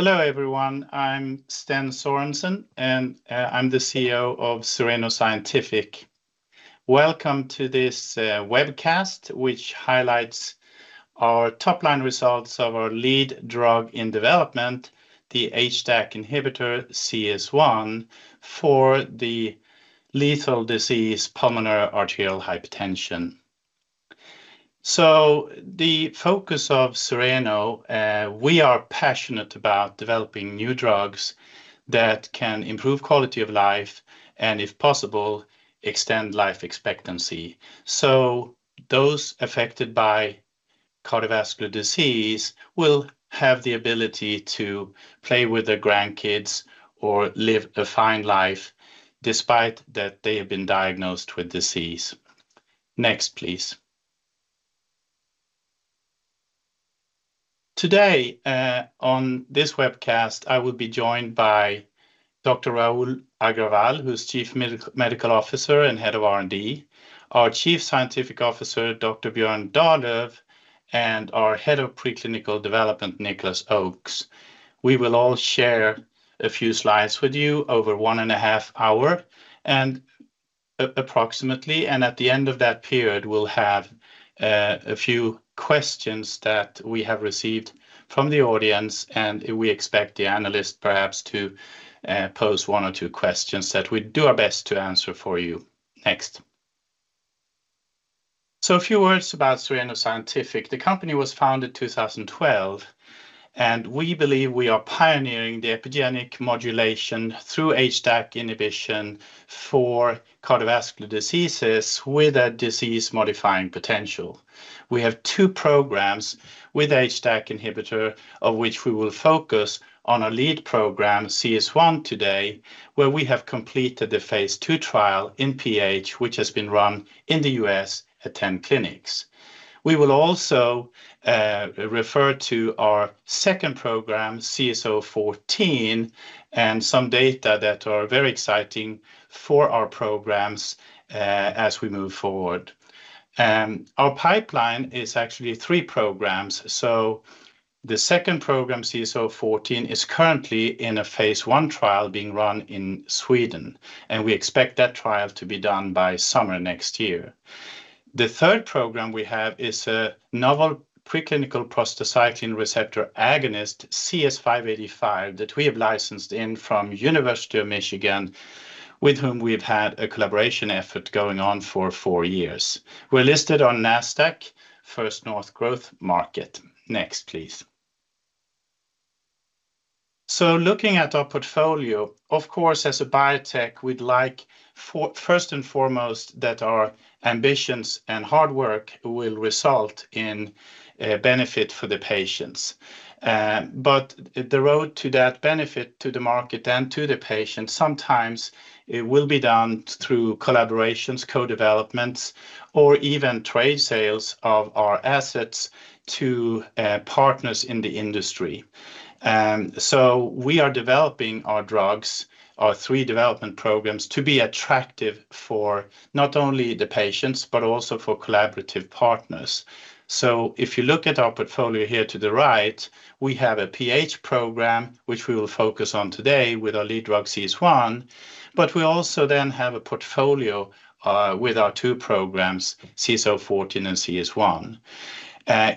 Hello, everyone. I'm Sten Sörensen, and I'm the CEO of Cereno Scientific. Welcome to this webcast, which highlights our top-line results of our lead drug in development, the HDAC inhibitor CS1, for the lethal disease, pulmonary arterial hypertension. So the focus of Cereno, we are passionate about developing new drugs that can improve quality of life, and if possible, extend life expectancy. So those affected by cardiovascular disease will have the ability to play with their grandkids or live a fine life despite that they have been diagnosed with disease. Next, please. Today, on this webcast, I will be joined by Dr. Rahul Agrawal, who's Chief Medical Officer and Head of R&D, our Chief Scientific Officer, Dr. Björn Dahlöf, and our Head of Preclinical Development, Nicholas Oakes. We will all share a few slides with you over one and a half hour, and approximately, and at the end of that period, we'll have a few questions that we have received from the audience, and we expect the analyst perhaps to pose one or two questions that we'll do our best to answer for you. Next. So a few words about Cereno Scientific. The company was founded in 2012, and we believe we are pioneering the epigenetic modulation through HDAC inhibition for cardiovascular diseases with a disease-modifying potential. We have two programs with HDAC inhibitor, of which we will focus on our lead program, CS1, today, where we have completed the phase II trial in PH, which has been run in the U.S. at 10 clinics. We will also refer to our second program, CS014, and some data that are very exciting for our programs, as we move forward. Our pipeline is actually three programs, so the second program, CS014, is currently in a phase I trial being run in Sweden, and we expect that trial to be done by summer next year. The third program we have is a novel preclinical prostacyclin receptor agonist, CS585, that we have licensed in from University of Michigan, with whom we've had a collaboration effort going on for four years. We're listed on Nasdaq First North Growth Market. Next, please. So looking at our portfolio, of course, as a biotech, we'd like for first and foremost, that our ambitions and hard work will result in a benefit for the patients. But the road to that benefit to the market and to the patient, sometimes it will be done through collaborations, co-developments, or even trade sales of our assets to partners in the industry. So we are developing our drugs, our three development programs, to be attractive for not only the patients, but also for collaborative partners. So if you look at our portfolio here to the right, we have a PH program, which we will focus on today with our lead drug, CS1, but we also then have a portfolio with our two programs, CS014 and CS1.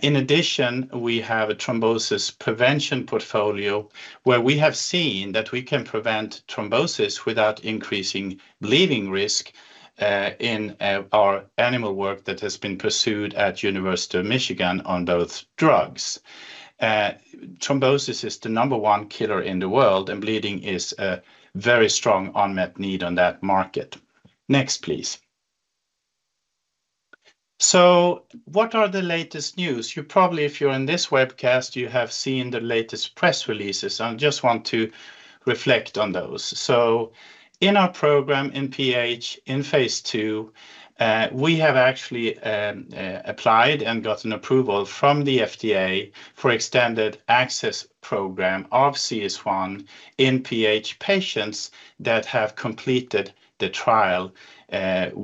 In addition, we have a thrombosis prevention portfolio, where we have seen that we can prevent thrombosis without increasing bleeding risk in our animal work that has been pursued at University of Michigan on both drugs. Thrombosis is the number one killer in the world, and bleeding is a very strong unmet need on that market. Next, please. So what are the latest news? You probably, if you're in this webcast, you have seen the latest press releases. I just want to reflect on those. So in our program, in PH, in phase II, we have actually applied and gotten approval from the FDA for expanded access program of CS1 in PH patients that have completed the trial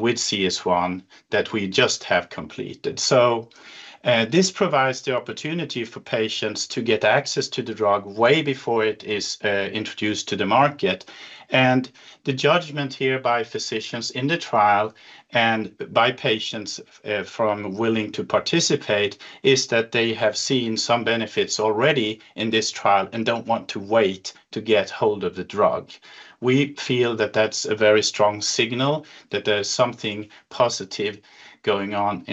with CS1 that we just have completed. So this provides the opportunity for patients to get access to the drug way before it is introduced to the market. The judgment here by physicians in the trial and by patients willing to participate is that they have seen some benefits already in this trial and don't want to wait to get hold of the drug. We feel that that's a very strong signal that there's something positive going on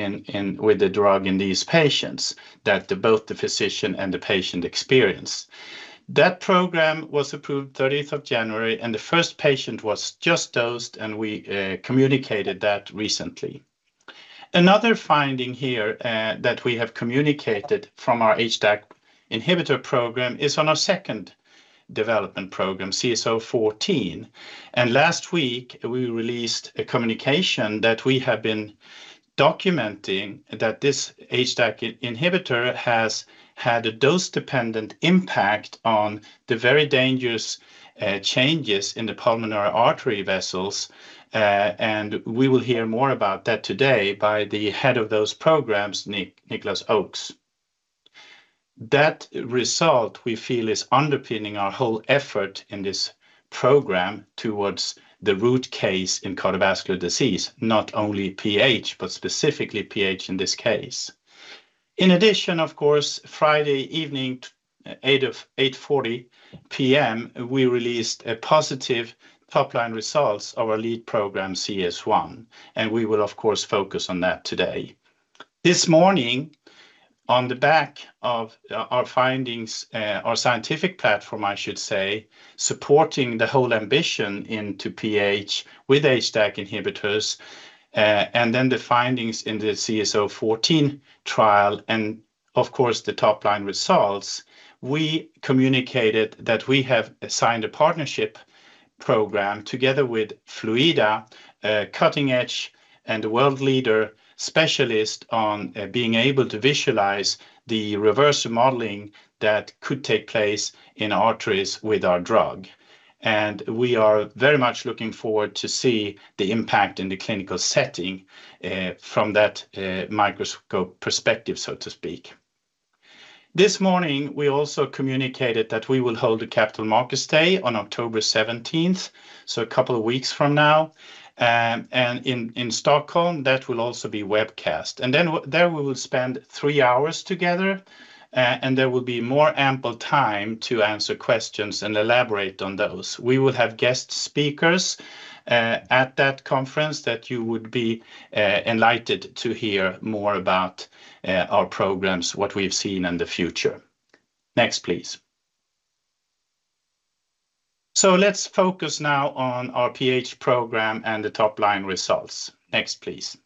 with the drug in these patients, that the both the physician and the patient experience. That program was approved 30th of January, and the first patient was just dosed, and we communicated that recently. Another finding here that we have communicated from our HDAC inhibitor program is on our second development program, CS014. Last week, we released a communication that we have been documenting that this HDAC inhibitor has had a dose-dependent impact on the very dangerous changes in the pulmonary artery vessels. And we will hear more about that today by the head of those programs, Nicholas Oakes. That result, we feel, is underpinning our whole effort in this program towards the root cause in cardiovascular disease, not only PH, but specifically PH in this case. In addition, of course, Friday evening, 8:40 P.M., we released a positive top-line results of our lead program, CS1, and we will of course focus on that today. This morning, on the back of our findings, our scientific platform, I should say, supporting the whole ambition into PH with HDAC inhibitors, and then the findings in the CS014 trial, and of course, the top-line results, we communicated that we have signed a partnership program together with Fluidda, a cutting-edge and a world leader specialist on being able to visualize the reverse remodeling that could take place in arteries with our drug. We are very much looking forward to see the impact in the clinical setting from that microscope perspective, so to speak. This morning, we also communicated that we will hold a Capital Markets Day on October 17th, so a couple of weeks from now, and in Stockholm, that will also be webcast. And then, there, we will spend three hours together, and there will be more ample time to answer questions and elaborate on those. We will have guest speakers at that conference that you would be enlightened to hear more about our programs, what we've seen in the future. Next, please. Let's focus now on our PH program and the top-line results. Next, please.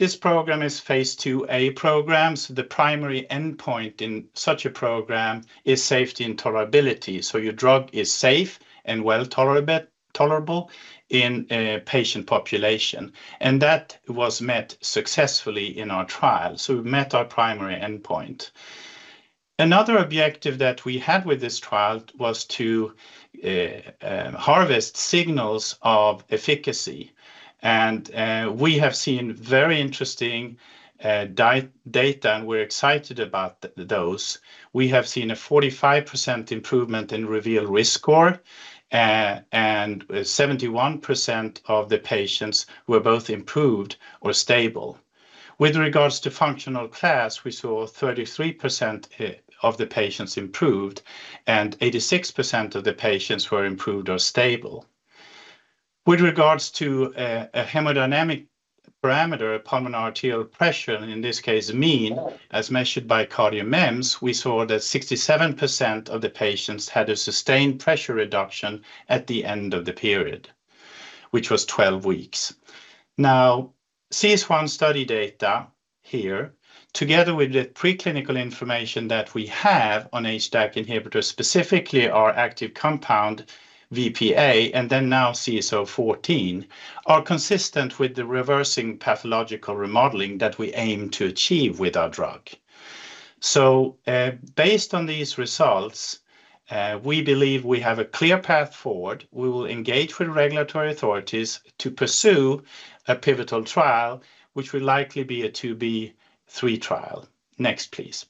This program is phase IIa program. The primary endpoint in such a program is safety and tolerability. Your drug is safe and well-tolerable in a patient population, and that was met successfully in our trial. We met our primary endpoint. Another objective that we had with this trial was to harvest signals of efficacy, and we have seen very interesting data, and we're excited about those. We have seen a 45% improvement in REVEAL Risk Score, and 71% of the patients were both improved or stable. With regards to functional class, we saw 33%, of the patients improved, and 86% of the patients were improved or stable. With regards to a hemodynamic parameter, a pulmonary arterial pressure, in this case, mean, as measured by CardioMEMS, we saw that 67% of the patients had a sustained pressure reduction at the end of the period, which was twelve weeks. Now, CS1 study data here, together with the preclinical information that we have on HDAC inhibitors, specifically our active compound, VPA, and then now CS014, are consistent with the reversing pathological remodeling that we aim to achieve with our drug. So, based on these results, we believe we have a clear path forward. We will engage with regulatory authorities to pursue a pivotal trial, which will likely be a phase IIb/III trial, three trial. Next, please.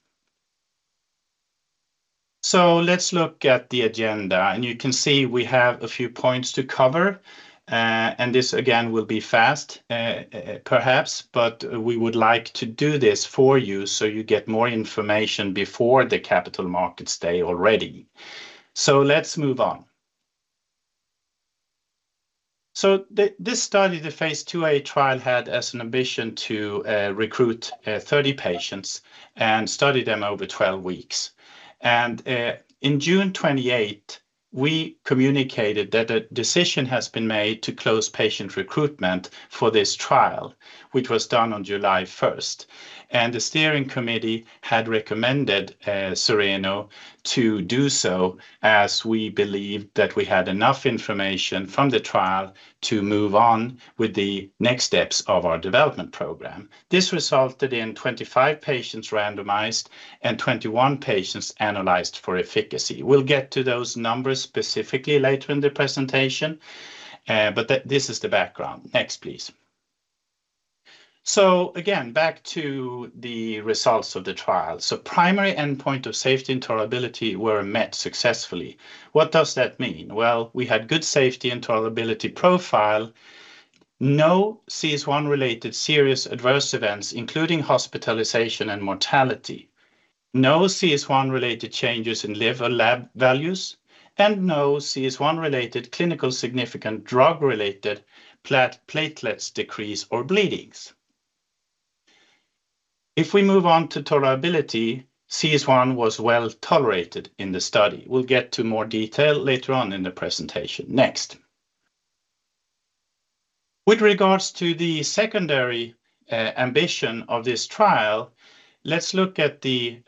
So let's look at the agenda, and you can see we have a few points to cover. And this, again, will be fast, perhaps, but we would like to do this for you so you get more information before the Capital Markets Day already. So let's move on. So this study, the phase IIa trial, had as an ambition to recruit 30 patients and study them over twelve weeks. And in June 2028, we communicated that a decision has been made to close patient recruitment for this trial, which was done on July first. The steering committee had recommended Cereno to do so, as we believed that we had enough information from the trial to move on with the next steps of our development program. This resulted in 25 patients randomized and 21 patients analyzed for efficacy. We'll get to those numbers specifically later in the presentation, but this is the background. Next, please. Again, back to the results of the trial. Primary endpoint of safety and tolerability were met successfully. What does that mean? We had good safety and tolerability profile. No CS1-related serious adverse events, including hospitalization and mortality. No CS1-related changes in liver lab values, and no CS1-related clinically significant drug-related platelets decrease or bleedings. If we move on to tolerability, CS1 was well tolerated in the study. We'll get to more detail later on in the presentation. Next. With regards to the secondary ambition of this trial, let's look at the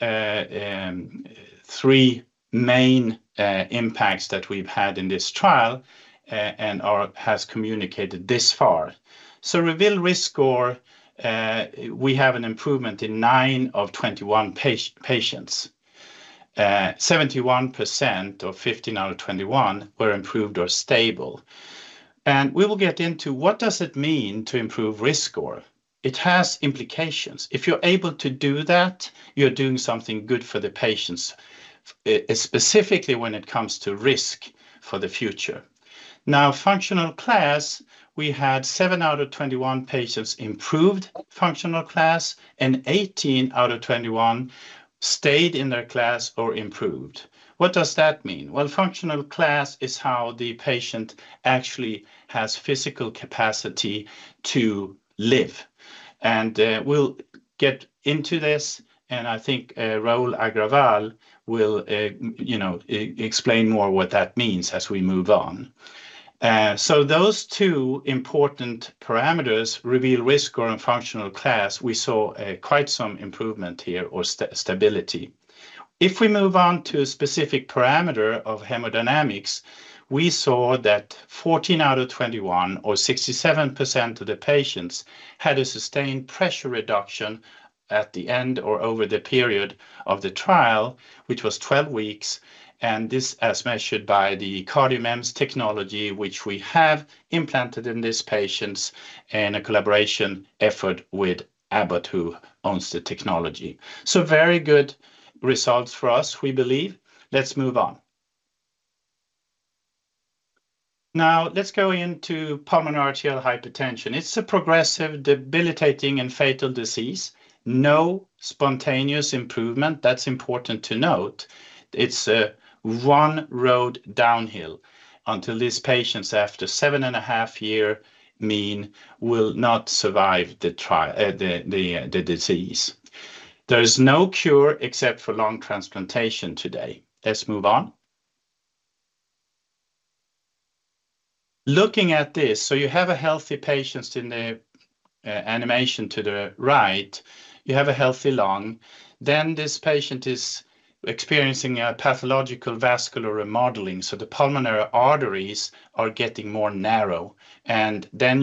three main impacts that we've had in this trial, and has communicated this far. So REVEAL Risk Score, we have an improvement in nine of 21 patients. Seventy-one percent, or 15 out of 21, were improved or stable. And we will get into what does it mean to improve Risk Score? It has implications. If you're able to do that, you're doing something good for the patients, specifically when it comes to risk for the future. Now, Functional Class, we had seven out of 21 patients improved Functional Class, and 18 out of 21 stayed in their class or improved. What does that mean? Functional class is how the patient actually has physical capacity to live, and we'll get into this, and I think Rahul Agrawal will, you know, explain more what that means as we move on. Those two important parameters, REVEAL risk score and functional class, we saw quite some improvement here or stability. If we move on to a specific parameter of hemodynamics, we saw that 14 out of 21, or 67% of the patients, had a sustained pressure reduction at the end or over the period of the trial, which was 12 weeks, and this as measured by the CardioMEMS technology, which we have implanted in these patients in a collaboration effort with Abbott, who owns the technology. Very good results for us, we believe. Let's move on. Now, let's go into pulmonary arterial hypertension. It's a progressive, debilitating, and fatal disease. No spontaneous improvement. That's important to note. It's one road downhill until these patients, after seven and a half year, mean will not survive the trial, the disease. There is no cure except for lung transplantation today. Let's move on. Looking at this, so you have a healthy patient in the animation to the right. You have a healthy lung, then this patient is experiencing a pathological vascular remodeling, so the pulmonary arteries are getting more narrow, and then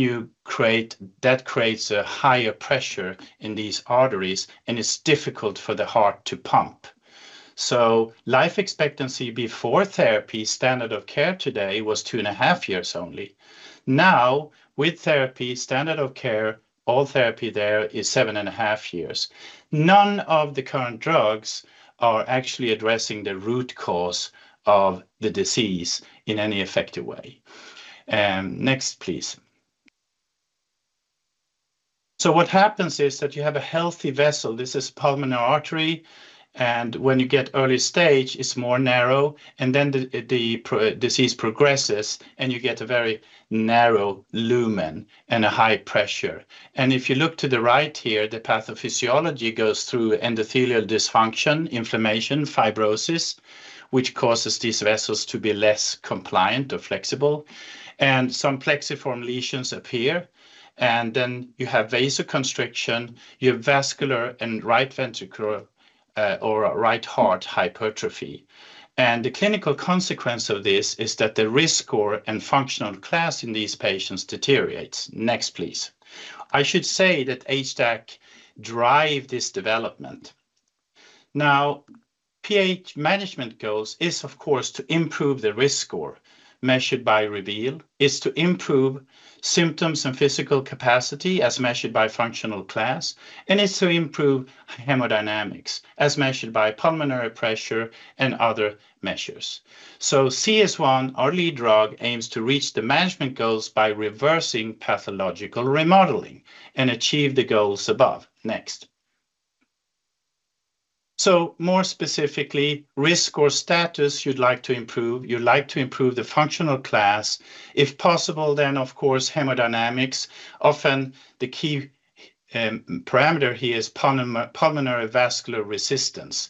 that creates a higher pressure in these arteries, and it's difficult for the heart to pump, so life expectancy before therapy, standard of care today, was two and a half years only. Now, with therapy, standard of care, all therapy there is seven and a half years. None of the current drugs are actually addressing the root cause of the disease in any effective way. Next, please. So what happens is that you have a healthy vessel, this is pulmonary artery, and when you get early stage, it's more narrow, and then the disease progresses, and you get a very narrow lumen and a high pressure. And if you look to the right here, the pathophysiology goes through endothelial dysfunction, inflammation, fibrosis, which causes these vessels to be less compliant or flexible, and some plexiform lesions appear, and then you have vasoconstriction, you have vascular and right ventricle, or right heart hypertrophy. And the clinical consequence of this is that the risk score and functional class in these patients deteriorates. Next, please. I should say that HDAC drive this development. Now, PH management goals is, of course, to improve the risk score measured by REVEAL, is to improve symptoms and physical capacity as measured by functional class, and it's to improve hemodynamics as measured by pulmonary pressure and other measures. So CS1, our lead drug, aims to reach the management goals by reversing pathological remodeling and achieve the goals above. Next. So more specifically, risk or status you'd like to improve. You'd like to improve the functional class. If possible, then, of course, hemodynamics. Often, the key parameter here is pulmonary vascular resistance,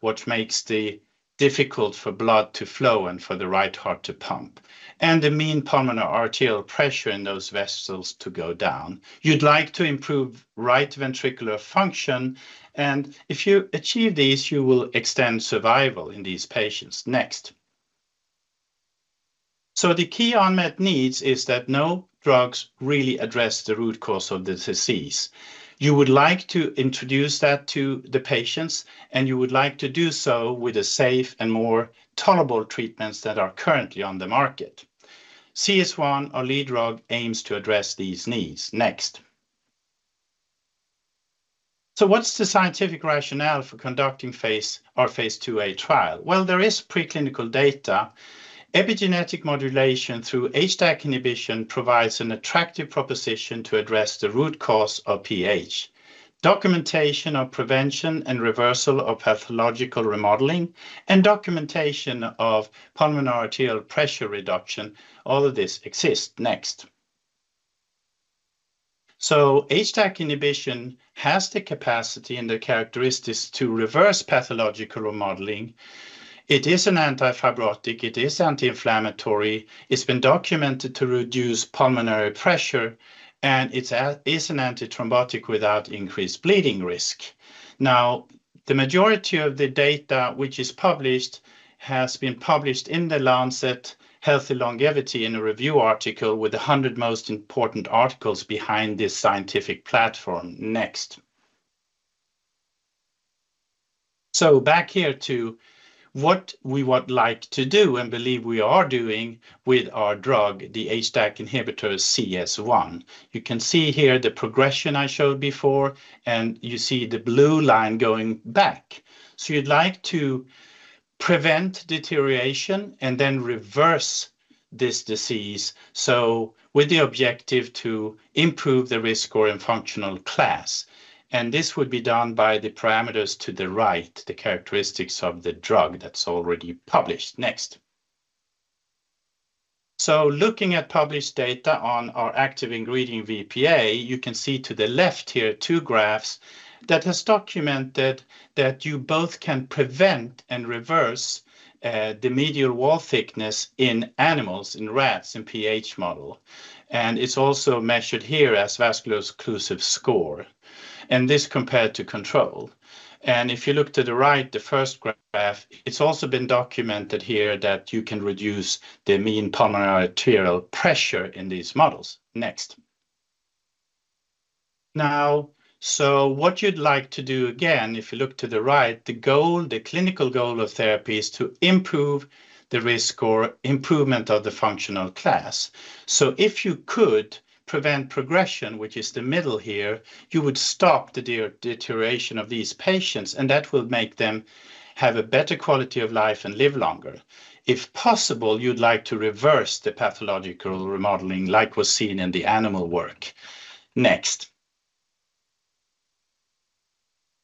which makes it difficult for blood to flow and for the right heart to pump, and the mean pulmonary arterial pressure in those vessels to go down. You'd like to improve right ventricular function, and if you achieve these, you will extend survival in these patients. Next. The key unmet needs is that no drugs really address the root cause of the disease. You would like to introduce that to the patients, and you would like to do so with the safe and more tolerable treatments that are currently on the market. CS1, our lead drug, aims to address these needs. Next. What's the scientific rationale for conducting phase IIa trial? There is preclinical data. Epigenetic modulation through HDAC inhibition provides an attractive proposition to address the root cause of PH. Documentation of prevention and reversal of pathological remodeling and documentation of pulmonary arterial pressure reduction, all of this exists. Next. HDAC inhibition has the capacity and the characteristics to reverse pathological remodeling. It is an antifibrotic, it is anti-inflammatory, it's been documented to reduce pulmonary pressure, and it's a, is an antithrombotic without increased bleeding risk. Now, the majority of the data which is published has been published in The Lancet Healthy Longevity in a review article with the 100 most important articles behind this scientific platform, Next, so back here to what we would like to do and believe we are doing with our drug, the HDAC inhibitor CS1. You can see here the progression I showed before, and you see the blue line going back, so you'd like to prevent deterioration and then reverse this disease, so with the objective to improve the risk score and functional class, and this would be done by the parameters to the right, the characteristics of the drug that's already published. Looking at published data on our active ingredient, VPA, you can see to the left here two graphs that has documented that you both can prevent and reverse the medial wall thickness in animals, in rats, in PH model, and it's also measured here as vascular occlusive score, and this compared to control. And if you look to the right, the first graph, it's also been documented here that you can reduce the mean pulmonary arterial pressure in these models. Next. Now, what you'd like to do, again, if you look to the right, the goal, the clinical goal of therapy is to improve the risk or improvement of the functional class. If you could prevent progression, which is the middle here, you would stop the deterioration of these patients, and that will make them have a better quality of life and live longer. If possible, you'd like to reverse the pathological remodeling like was seen in the animal work. Next.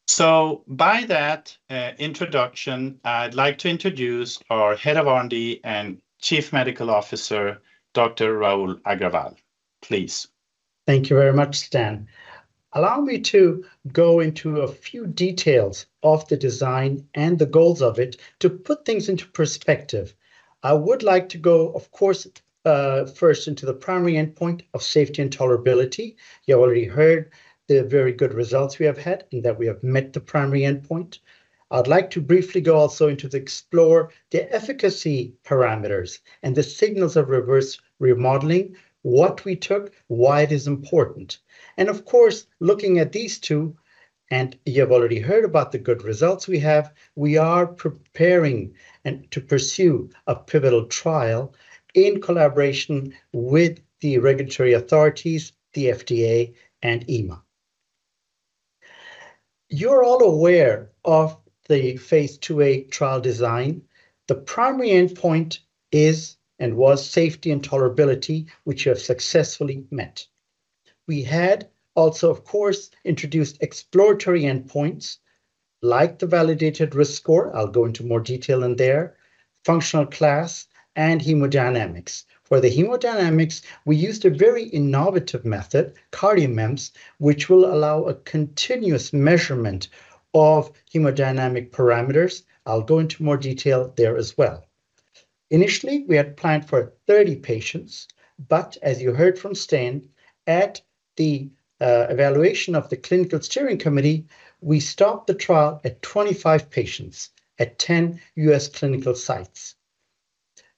So by that, introduction, I'd like to introduce our Head of R&D and Chief Medical Officer, Dr. Rahul Agrawal. Please. Thank you very much, Sten. Allow me to go into a few details of the design and the goals of it to put things into perspective. I would like to go, of course, first into the primary endpoint of safety and tolerability. You already heard the very good results we have had in that we have met the primary endpoint. I'd like to briefly go also into to explore the efficacy parameters and the signals of reverse remodeling, what we took, why it is important, and of course, looking at these two, and you have already heard about the good results we have, we are preparing to pursue a pivotal trial in collaboration with the regulatory authorities, the FDA and EMA. You're all aware of the phase IIa trial design. The primary endpoint was safety and tolerability, which we have successfully met. We had also, of course, introduced exploratory endpoints like the validated risk score. I'll go into more detail in there, functional class, and hemodynamics. For the hemodynamics, we used a very innovative method, CardioMEMS, which will allow a continuous measurement of hemodynamic parameters. I'll go into more detail there as well. Initially, we had planned for 30 patients, but as you heard from Sten, at the evaluation of the Clinical Steering Committee, we stopped the trial at 25 patients at 10 U.S. clinical sites.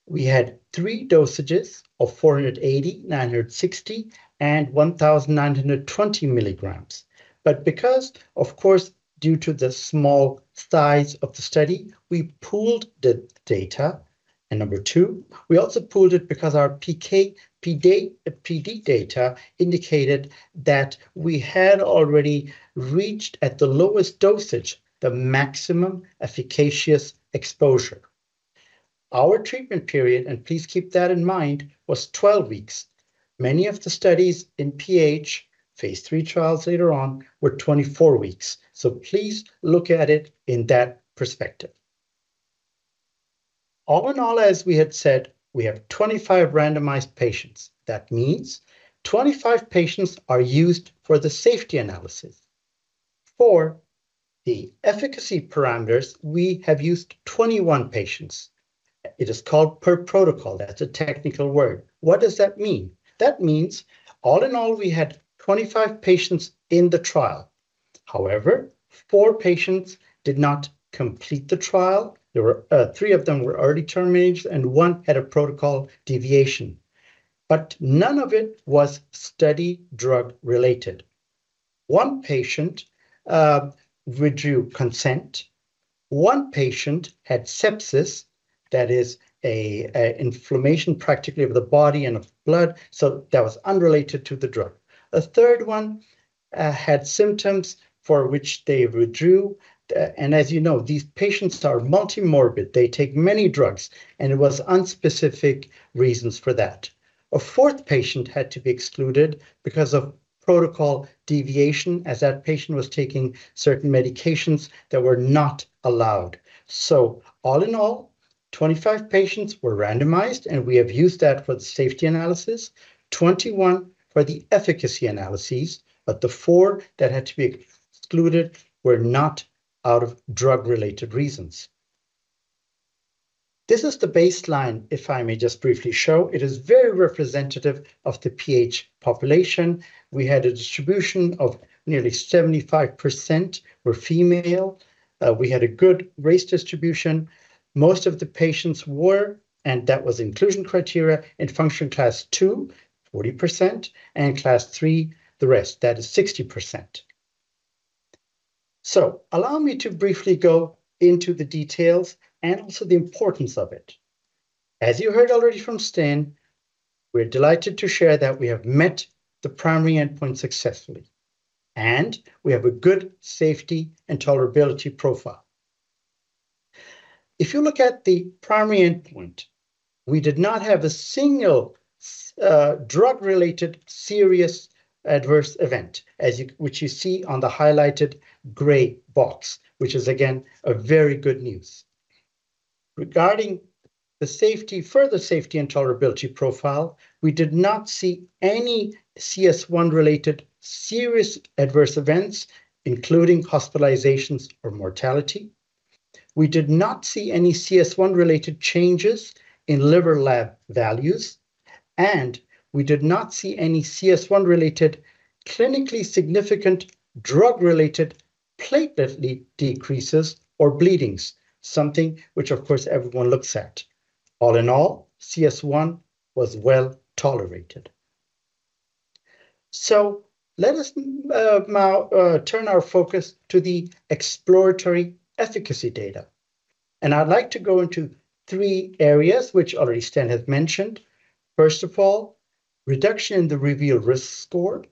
We had three dosages of 480, 960, and 1,920 milligrams. But because, of course, due to the small size of the study, we pooled the data, and number two, we also pooled it because our PK/PD, PD data indicated that we had already reached, at the lowest dosage, the maximum efficacious exposure.p Our treatment period, and please keep that in mind, was twelve weeks. Many of the studies in PH, phase III trials later on, were twenty-four weeks, so please look at it in that perspective. All in all, as we had said, we have twenty-five randomized patients. That means twenty-five patients are used for the safety analysis. For the efficacy parameters, we have used twenty-one patients. It is called per protocol. That's a technical word. What does that mean? That means, all in all, we had twenty-five patients in the trial. However, four patients did not complete the trial. There were three of them were early terminated, and one had a protocol deviation, but none of it was study drug related. One patient withdrew consent. One patient had sepsis, that is a inflammation practically of the body and of blood, so that was unrelated to the drug. A third one had symptoms for which they withdrew, and as you know, these patients are multimorbid. They take many drugs, and it was unspecific reasons for that. A fourth patient had to be excluded because of protocol deviation, as that patient was taking certain medications that were not allowed. So all in all, 25 patients were randomized, and we have used that for the safety analysis, 21 for the efficacy analyses, but the four that had to be excluded were not out of drug-related reasons. This is the baseline, if I may just briefly show. It is very representative of the PH population. We had a distribution of nearly 75% were female. We had a good race distribution. Most of the patients were, and that was inclusion criteria, in Functional Class II, 40%, and Class III, the rest, that is 60%. Allow me to briefly go into the details and also the importance of it. As you heard already from Sten, we're delighted to share that we have met the primary endpoint successfully, and we have a good safety and tolerability profile. If you look at the primary endpoint, we did not have a single drug-related serious adverse event, which you see on the highlighted gray box, which is, again, a very good news. Regarding the safety, further safety, and tolerability profile, we did not see any CS1-related serious adverse events, including hospitalizations or mortality. We did not see any CS1-related changes in liver lab values, and we did not see any CS1-related clinically significant drug-related platelet decreases or bleedings, something which, of course, everyone looks at. All in all, CS1 was well-tolerated. Let us now turn our focus to the exploratory efficacy data, and I'd like to go into three areas, which already Sten has mentioned. First of all, reduction in the REVEAL Risk Score,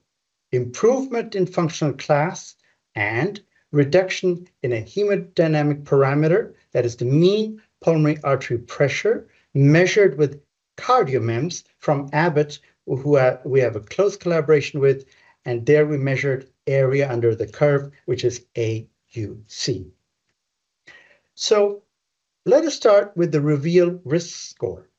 improvement in functional class, and reduction in a hemodynamic parameter. That is the mean pulmonary arterial pressure measured with CardioMEMS from Abbott, who we have a close collaboration with, and there we measured area under the curve, which is AUC. Let us start with the REVEAL Risk Score.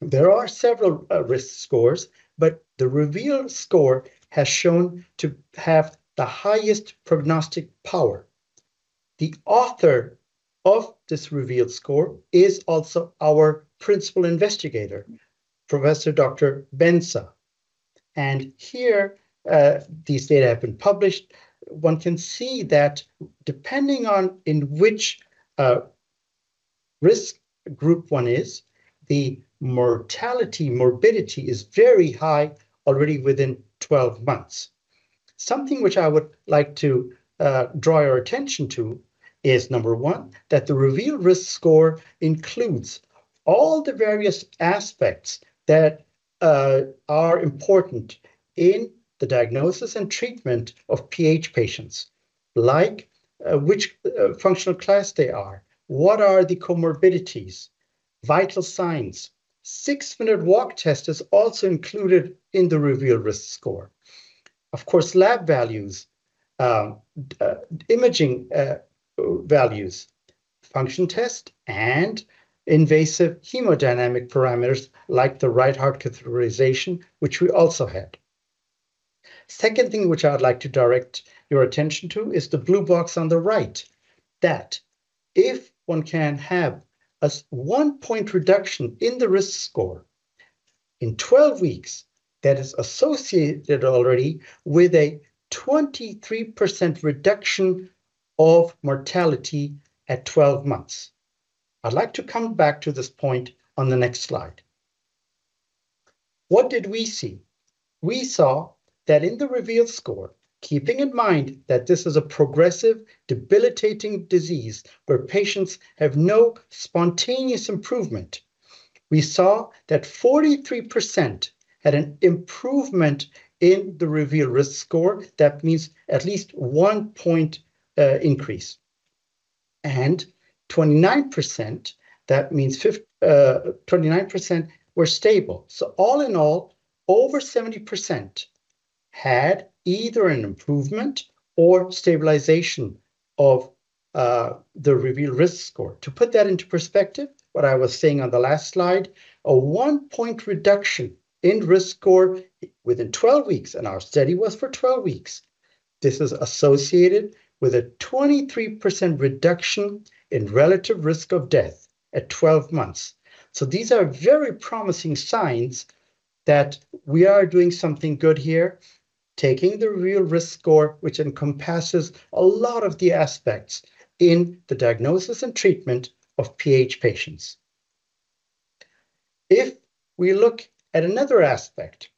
There are several risk scores, but the REVEAL score has shown to have the highest prognostic power. The author of this REVEAL score is also our principal investigator, Professor Dr. Benza. Here, these data have been published. One can see that depending on in which risk group one is, the mortality, morbidity is very high already within 12 months. Something which I would like to draw your attention to is, number one, that the REVEAL Risk Score includes all the various aspects that are important in the diagnosis and treatment of PH patients, like, which functional class they are, what are the comorbidities, vital signs. Six-minute walk test is also included in the REVEAL Risk Score. Of course, lab values, imaging values, function test, and invasive hemodynamic parameters, like the right heart catheterization, which we also had. Second thing which I would like to direct your attention to is the blue box on the right, that if one can have a one-point reduction in the risk score in 12 weeks, that is associated already with a 23% reduction of mortality at 12 months. I'd like to come back to this point on the next slide. What did we see? We saw that in the REVEAL Risk Score, keeping in mind that this is a progressive, debilitating disease where patients have no spontaneous improvement, we saw that 43% had an improvement in the REVEAL Risk Score. That means at least one point increase, and 29%, that means 29% were stable, so all in all, over 70% had either an improvement or stabilization of the REVEAL Risk Score. To put that into perspective, what I was saying on the last slide, a one-point reduction in risk score within 12 weeks, and our study was for 12 weeks, this is associated with a 23% reduction in relative risk of death at 12 months. These are very promising signs that we are doing something good here, taking the REVEAL Risk Score, which encompasses a lot of the aspects in the diagnosis and treatment of PH patients. If we look at another aspect,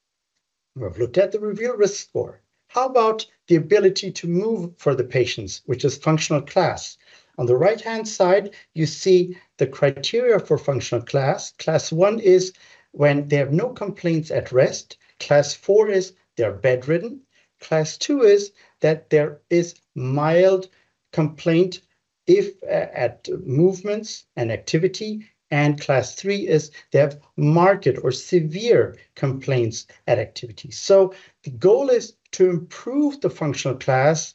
we've looked at the REVEAL Risk Score. How about the ability to move for the patients, which is functional class? On the right-hand side, you see the criteria for functional class. Class one is when they have no complaints at rest. Class four is they're bedridden. Class two is that there is mild complaint at movements and activity, and class three is they have marked or severe complaints at activity. So the goal is to improve the functional class.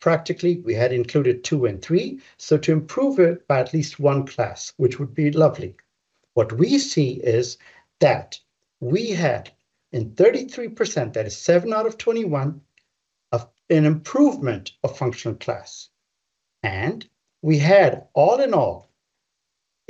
Practically, we had included two and three, so to improve it by at least one class, which would be lovely. What we see is that we had 33%, that is 7 out of 21, of an improvement of functional class. And we had, all in all,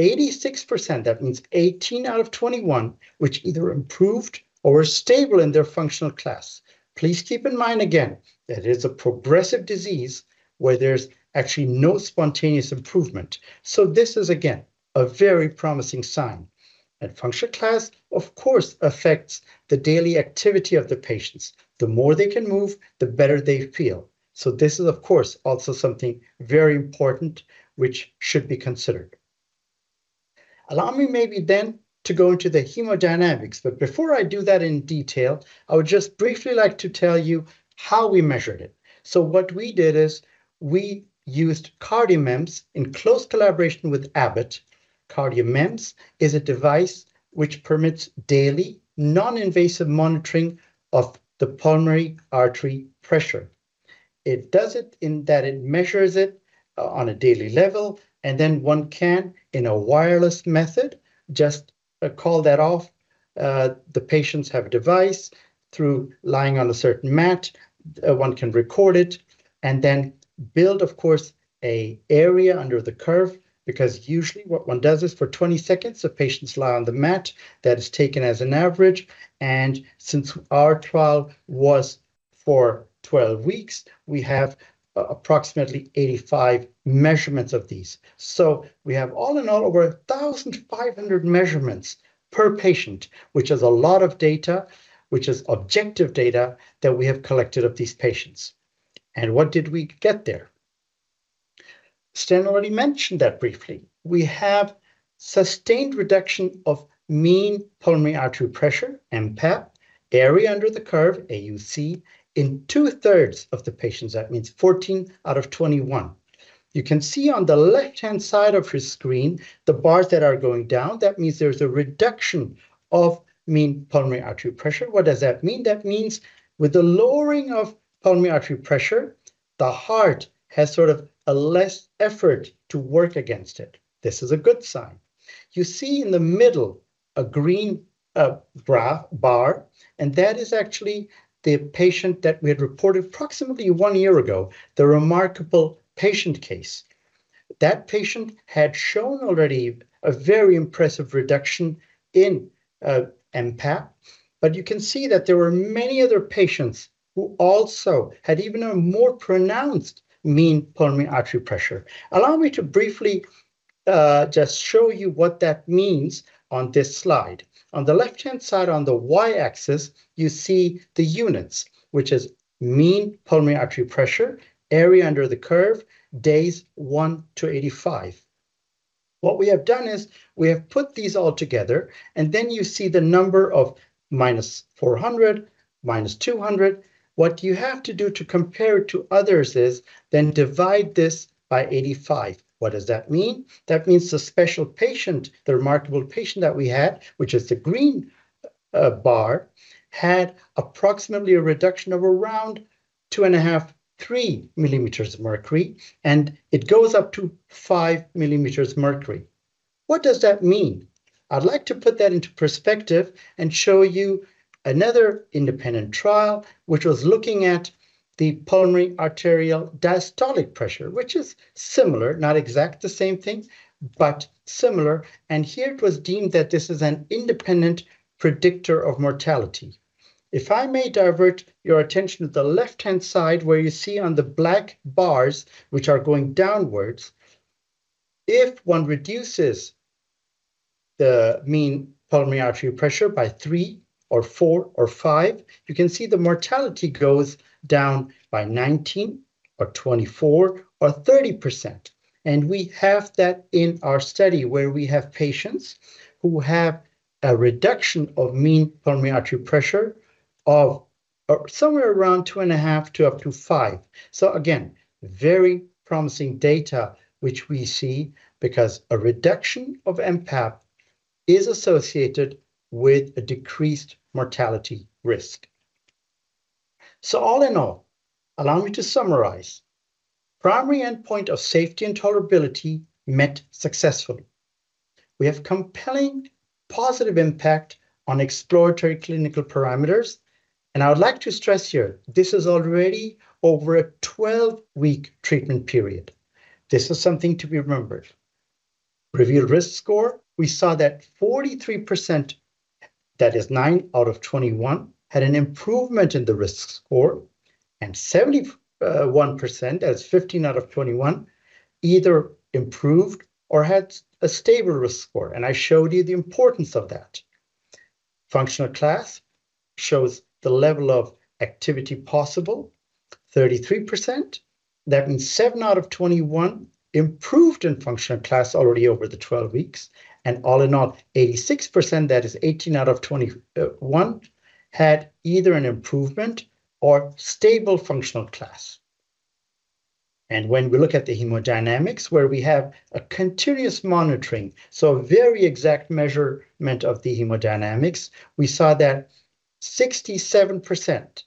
86%, that means 18 out of 21, which either improved or were stable in their functional class. Please keep in mind again, that it's a progressive disease where there's actually no spontaneous improvement. So this is, again, a very promising sign. And functional class, of course, affects the daily activity of the patients. The more they can move, the better they feel. So this is, of course, also something very important which should be considered. Allow me maybe then to go into the hemodynamics, but before I do that in detail, I would just briefly like to tell you how we measured it. So what we did is we used CardioMEMS in close collaboration with Abbott. CardioMEMS is a device which permits daily non-invasive monitoring of the pulmonary artery pressure. It does it in that it measures it on a daily level, and then one can, in a wireless method, just, call that off. The patients have a device through lying on a certain mat, one can record it, and then build, of course, a area under the curve, because usually what one does is for 20 seconds, the patients lie on the mat. That is taken as an average, and since our trial was for 12 weeks, we have approximately 85 measurements of these. So we have all in all, over 1,500 measurements per patient, which is a lot of data, which is objective data that we have collected of these patients. And what did we get there? Sten already mentioned that briefly. We have sustained reduction of mean pulmonary artery pressure, mPAP, area under the curve, AUC, in two-thirds of the patients, that means 14 out of 21. You can see on the left-hand side of your screen, the bars that are going down, that means there's a reduction of mean pulmonary artery pressure. What does that mean? That means with the lowering of pulmonary artery pressure, the heart has sort of a less effort to work against it. This is a good sign. You see in the middle, a green bar, and that is actually the patient that we had reported approximately one year ago, the remarkable patient case. That patient had shown already a very impressive reduction in mPAP, but you can see that there were many other patients who also had even a more pronounced mean pulmonary artery pressure. Allow me to briefly just show you what that means on this slide. On the left-hand side, on the Y-axis, you see the units, which is mean pulmonary arterial pressure, area under the curve, days one to eighty-five. What we have done is we have put these all together, and then you see the number of minus four hundred, minus two hundred. What you have to do to compare to others is then divide this by eighty-five. What does that mean? That means the special patient, the remarkable patient that we had, which is the green bar, had approximately a reduction of around two and a half, three millimeters of mercury, and it goes up to five millimeters mercury. What does that mean? I'd like to put that into perspective and show you another independent trial, which was looking at the pulmonary arterial diastolic pressure, which is similar, not exact the same thing, but similar, and here it was deemed that this is an independent predictor of mortality. If I may divert your attention to the left-hand side, where you see on the black bars, which are going downwards, if one reduces the mean pulmonary arterial pressure by three or four or five, you can see the mortality goes down by 19% or 24% or 30%, and we have that in our study where we have patients who have a reduction of mean pulmonary arterial pressure of, somewhere around two and a half to up to five. So again, very promising data, which we see because a reduction of mPAP is associated with a decreased mortality risk. So all in all, allow me to summarize. Primary endpoint of safety and tolerability met successfully. We have compelling positive impact on exploratory clinical parameters, and I would like to stress here, this is already over a twelve-week treatment period. This is something to be remembered. REVEAL Risk Score, we saw that 43%, that is 9 out of 21, had an improvement in the risk score, and 71%, that is 15 out of 21, either improved or had a stable risk score, and I showed you the importance of that. Functional Class shows the level of activity possible, 33%. That means 7 out of 21 improved in Functional Class already over the twelve weeks, and all in all, 86%, that is 18 out of 21, had either an improvement or stable Functional Class. When we look at the hemodynamics, where we have a continuous monitoring, so very exact measurement of the hemodynamics, we saw that 67%,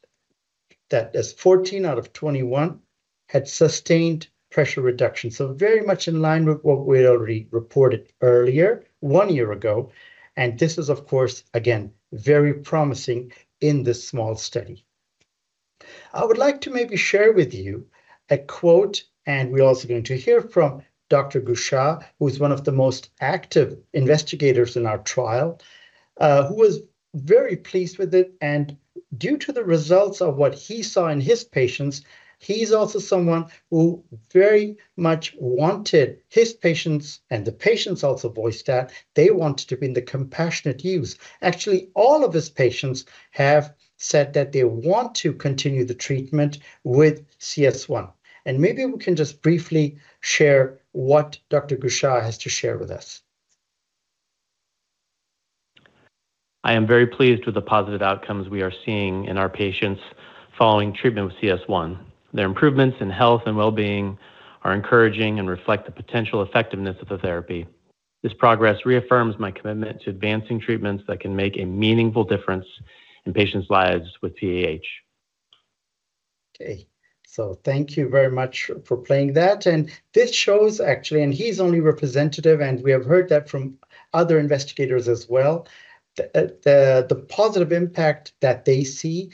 that is 14 out of 21, had sustained pressure reduction, so very much in line with what we already reported earlier, one year ago, and this is, of course, again, very promising in this small study. I would like to maybe share with you a quote, and we're also going to hear from Dr. Kucher, who is one of the most active investigators in our trial, who was very pleased with it, and due to the results of what he saw in his patients, he's also someone who very much wanted his patients, and the patients also voiced that, they wanted to be in the compassionate use. Actually, all of his patients have said that they want to continue the treatment with CS1, and maybe we can just briefly share what Dr. Kucher has to share with us. I am very pleased with the positive outcomes we are seeing in our patients following treatment with CS1. Their improvements in health and well-being are encouraging and reflect the potential effectiveness of the therapy. This progress reaffirms my commitment to advancing treatments that can make a meaningful difference in patients' lives with PAH. Okay, so thank you very much for playing that, and this shows actually, and he's only representative, and we have heard that from other investigators as well, the positive impact that they see,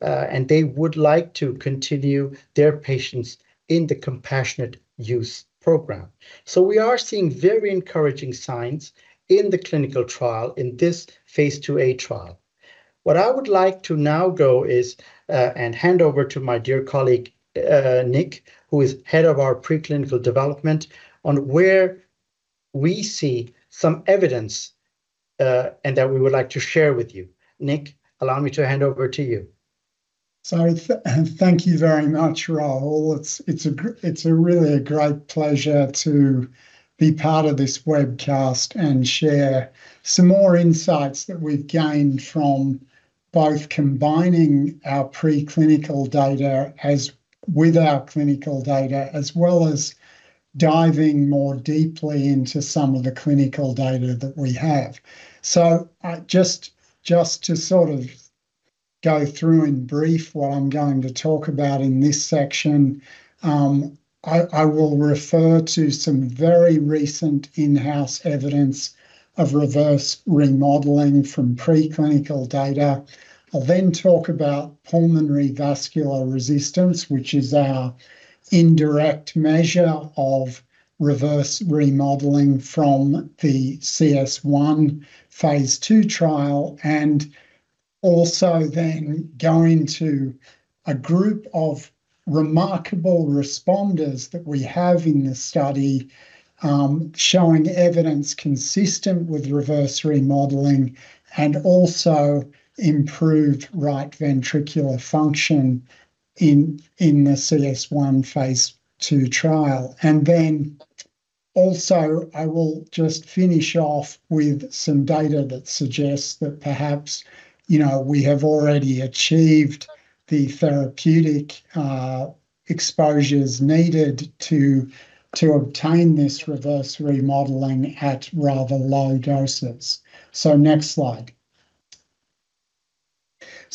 and they would like to continue their patients in the Compassionate Use Program, so we are seeing very encouraging signs in the clinical trial, in this phase IIa trial. What I would like to now go is, and hand over to my dear colleague, Nick, who is Head of our Preclinical Development, on where we see some evidence, and that we would like to share with you. Nick, allow me to hand over to you. So thank you very much, Rahul. It's a really great pleasure to be part of this webcast and share some more insights that we've gained from both combining our preclinical data with our clinical data, as well as diving more deeply into some of the clinical data that we have. So just to sort of go through in brief what I'm going to talk about in this section, I will refer to some very recent in-house evidence of reverse remodeling from preclinical data. I'll then talk about pulmonary vascular resistance, which is our indirect measure of reverse remodeling from the CS1 phase II trial, and also then go into a group of remarkable responders that we have in this study, showing evidence consistent with reverse remodeling and also improved right ventricular function in the CS1 phase II trial. And then also, I will just finish off with some data that suggests that perhaps, you know, we have already achieved the therapeutic exposures needed to obtain this reverse remodeling at rather low doses. So next slide.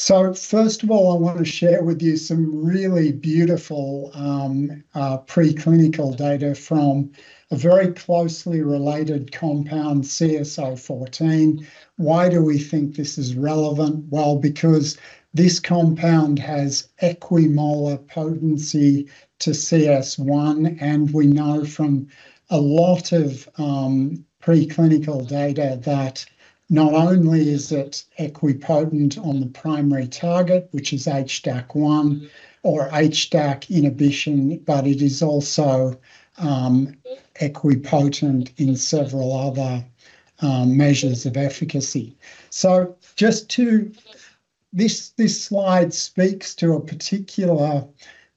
So first of all, I want to share with you some really beautiful preclinical data from a very closely related compound, CS014. Why do we think this is relevant? Well, because this compound has equimolar potency to CS1, and we know from a lot of preclinical data that not only is it equipotent on the primary target, which is HDAC1 or HDAC inhibition, but it is also equipotent in several other measures of efficacy. This slide speaks to a particular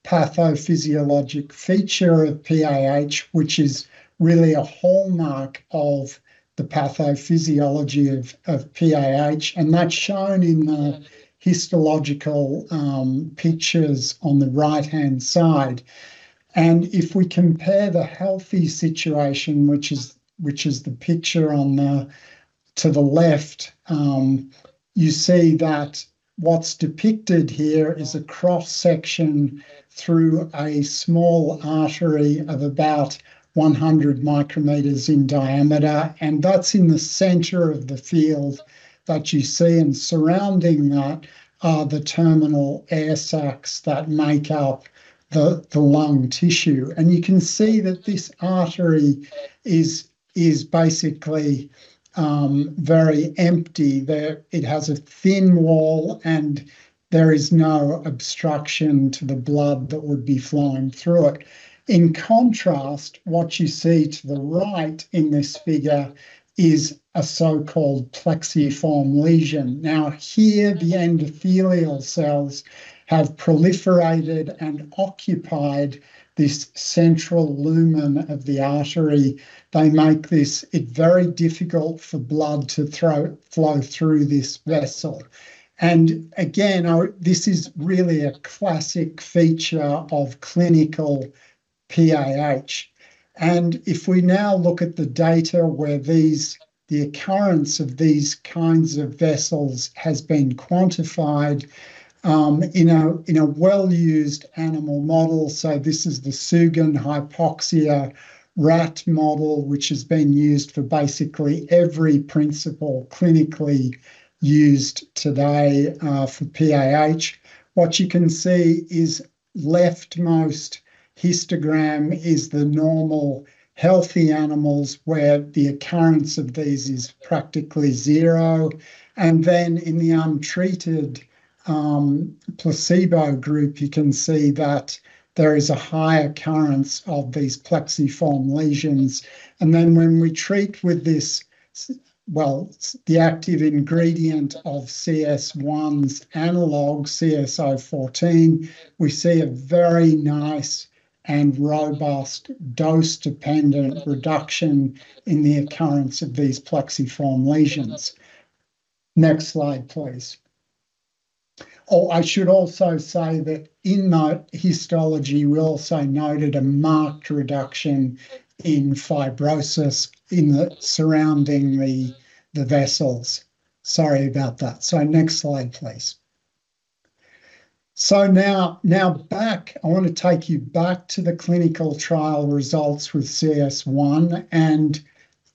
pathophysiologic feature of PAH, which is really a hallmark of the pathophysiology of PAH, and that's shown in the histological pictures on the right-hand side. If we compare the healthy situation, which is the picture on the left, you see that what's depicted here is a cross-section through a small artery of about 100 micrometers in diameter, and that's in the center of the field that you see, and surrounding that are the terminal air sacs that make up the lung tissue. And you can see that this artery is basically very empty there. It has a thin wall, and there is no obstruction to the blood that would be flowing through it. In contrast, what you see to the right in this figure is a so-called plexiform lesion. Now, here, the endothelial cells have proliferated and occupied this central lumen of the artery. They make it very difficult for blood to flow through this vessel. And again, this is really a classic feature of clinical PAH. And if we now look at the data where the occurrence of these kinds of vessels has been quantified, in a well-used animal model, so this is the Sugen hypoxia rat model, which has been used for basically every principal clinically used today for PAH. What you can see is leftmost histogram is the normal, healthy animals, where the occurrence of these is practically zero. And then in the untreated, placebo group, you can see that there is a high occurrence of these plexiform lesions. And then when we treat with this, well, the active ingredient of CS1's analog, CS014, we see a very nice and robust dose-dependent reduction in the occurrence of these plexiform lesions. Next slide, please. Oh, I should also say that in that histology, we also noted a marked reduction in fibrosis in the surrounding vessels. Sorry about that. So next slide, please. Now back, I want to take you back to the clinical trial results with CS1, and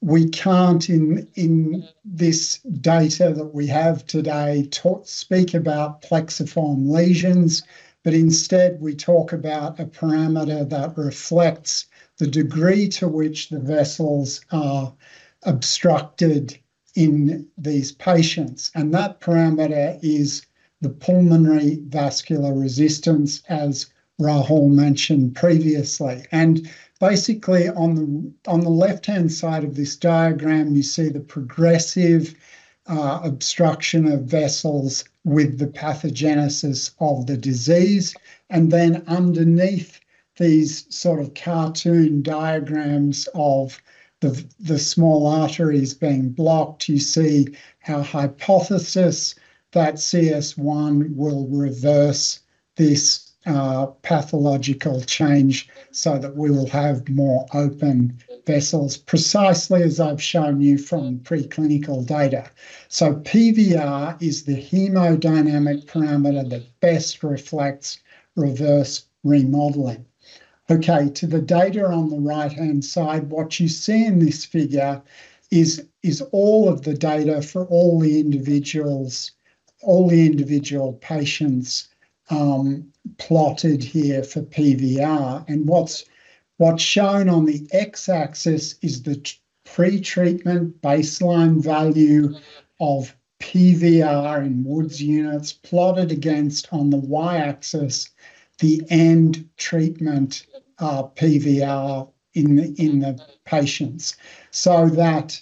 we can't, in this data that we have today, speak about plexiform lesions, but instead, we talk about a parameter that reflects the degree to which the vessels are obstructed in these patients, and that parameter is the pulmonary vascular resistance, as Rahul mentioned previously. Basically, on the left-hand side of this diagram, you see the progressive obstruction of vessels with the pathogenesis of the disease, and then underneath these sort of cartoon diagrams of the small arteries being blocked, you see our hypothesis that CS1 will reverse this pathological change so that we will have more open vessels, precisely as I've shown you from preclinical data. PVR is the hemodynamic parameter that best reflects reverse remodeling. Okay, to the data on the right-hand side, what you see in this figure is all of the data for all the individuals, all the individual patients, plotted here for PVR. What's shown on the X-axis is the pre-treatment baseline value of PVR in Wood units, plotted against, on the Y-axis, the end treatment PVR in the patients, so that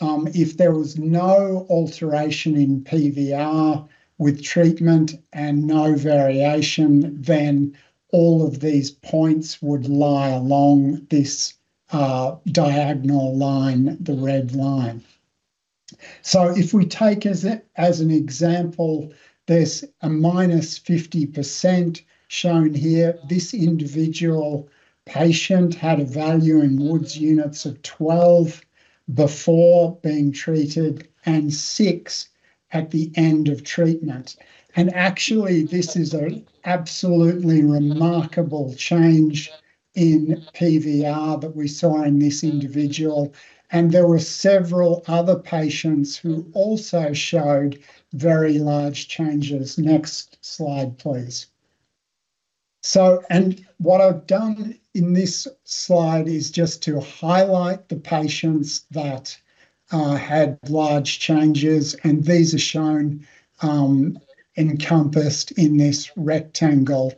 if there was no alteration in PVR with treatment and no variation, then all of these points would lie along this diagonal line, the red line. So if we take as an example, there's a minus 50% shown here. This individual patient had a value in Wood units of 12 before being treated and six at the end of treatment, and actually, this is absolutely remarkable change in PVR that we saw in this individual, and there were several other patients who also showed very large changes. Next slide, please. And what I've done in this slide is just to highlight the patients that had large changes, and these are shown encompassed in this rectangle.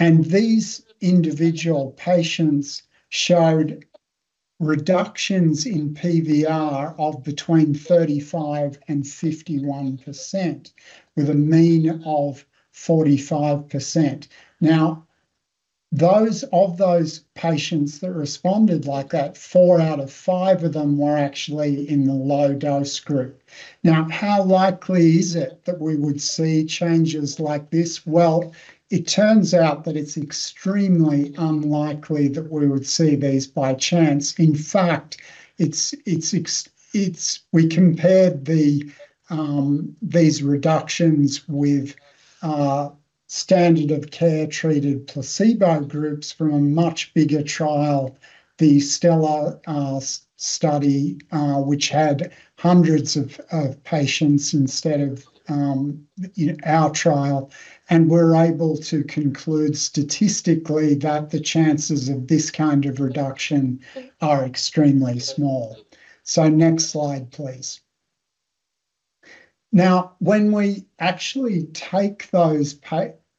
And these individual patients showed reductions in PVR of between 35% and 51%, with a mean of 45%. Now, of those patients that responded like that, four out of five of them were actually in the low-dose group. Now, how likely is it that we would see changes like this? Well, it turns out that it's extremely unlikely that we would see these by chance. In fact, we compared these reductions with standard of care treated placebo groups from a much bigger trial, the STELLAR study, which had hundreds of patients instead of our trial, and we're able to conclude statistically that the chances of this kind of reduction are extremely small. So next slide, please. Now, when we actually take those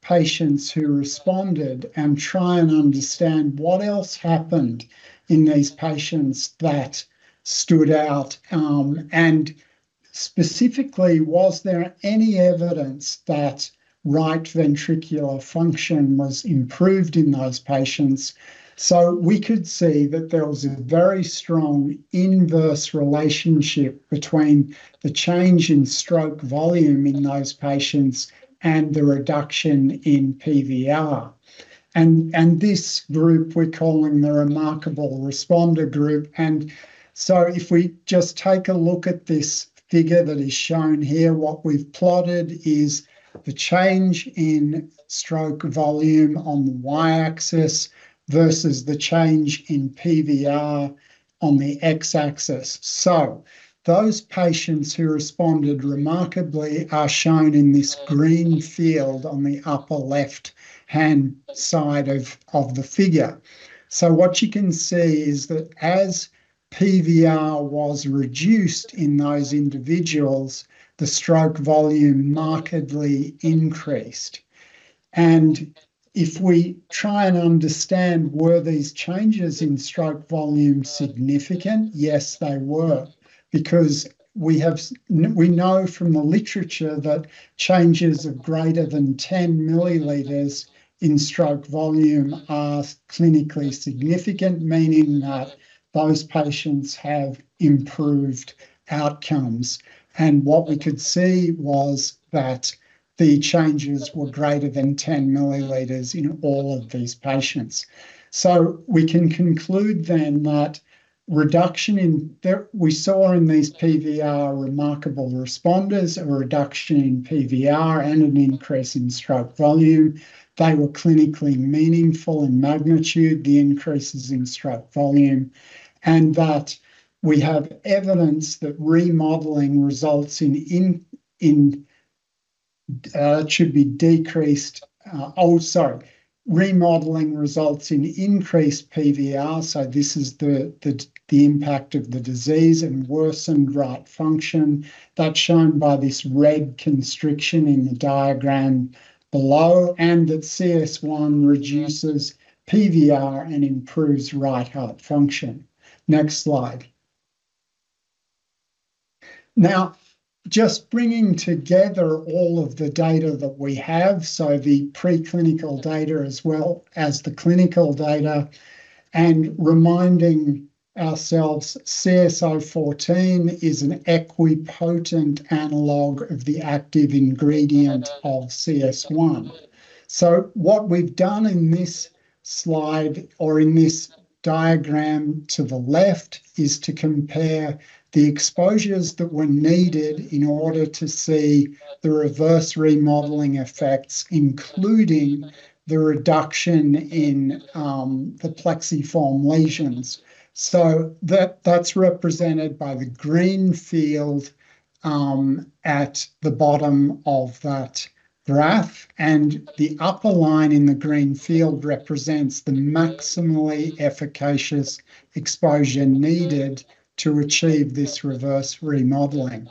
patients who responded and try and understand what else happened in these patients that stood out, and specifically, was there any evidence that right ventricular function was improved in those patients? So we could see that there was a very strong inverse relationship between the change in stroke volume in those patients and the reduction in PVR. And this group, we're calling the remarkable responder group. And so if we just take a look at this figure that is shown here, what we've plotted is the change in stroke volume on the Y-axis versus the change in PVR on the X-axis. So those patients who responded remarkably are shown in this green field on the upper left-hand side of the figure. So what you can see is that as PVR was reduced in those individuals, the stroke volume markedly increased. And if we try and understand were these changes in stroke volume significant? Yes, they were, because we know from the literature that changes of greater than ten milliliters in stroke volume are clinically significant, meaning that those patients have improved outcomes. And what we could see was that the changes were greater than ten milliliters in all of these patients. So we can conclude then that reduction in there we saw in these PVR remarkable responders, a reduction in PVR, and an increase in stroke volume. They were clinically meaningful in magnitude, the increases in stroke volume, and that we have evidence that remodeling results in increased PVR, so this is the impact of the disease and worsened right function. That's shown by this red constriction in the diagram below, and that CS1 reduces PVR and improves right heart function. Next slide. Now, just bringing together all of the data that we have, so the preclinical data as well as the clinical data, and reminding ourselves, CS014 is an equipotent analog of the active ingredient of CS1. So what we've done in this slide or in this diagram to the left is to compare the exposures that were needed in order to see the reverse remodeling effects, including the reduction in the plexiform lesions. So that that's represented by the green field at the bottom of that graph, and the upper line in the green field represents the maximally efficacious exposure needed to achieve this reverse remodeling.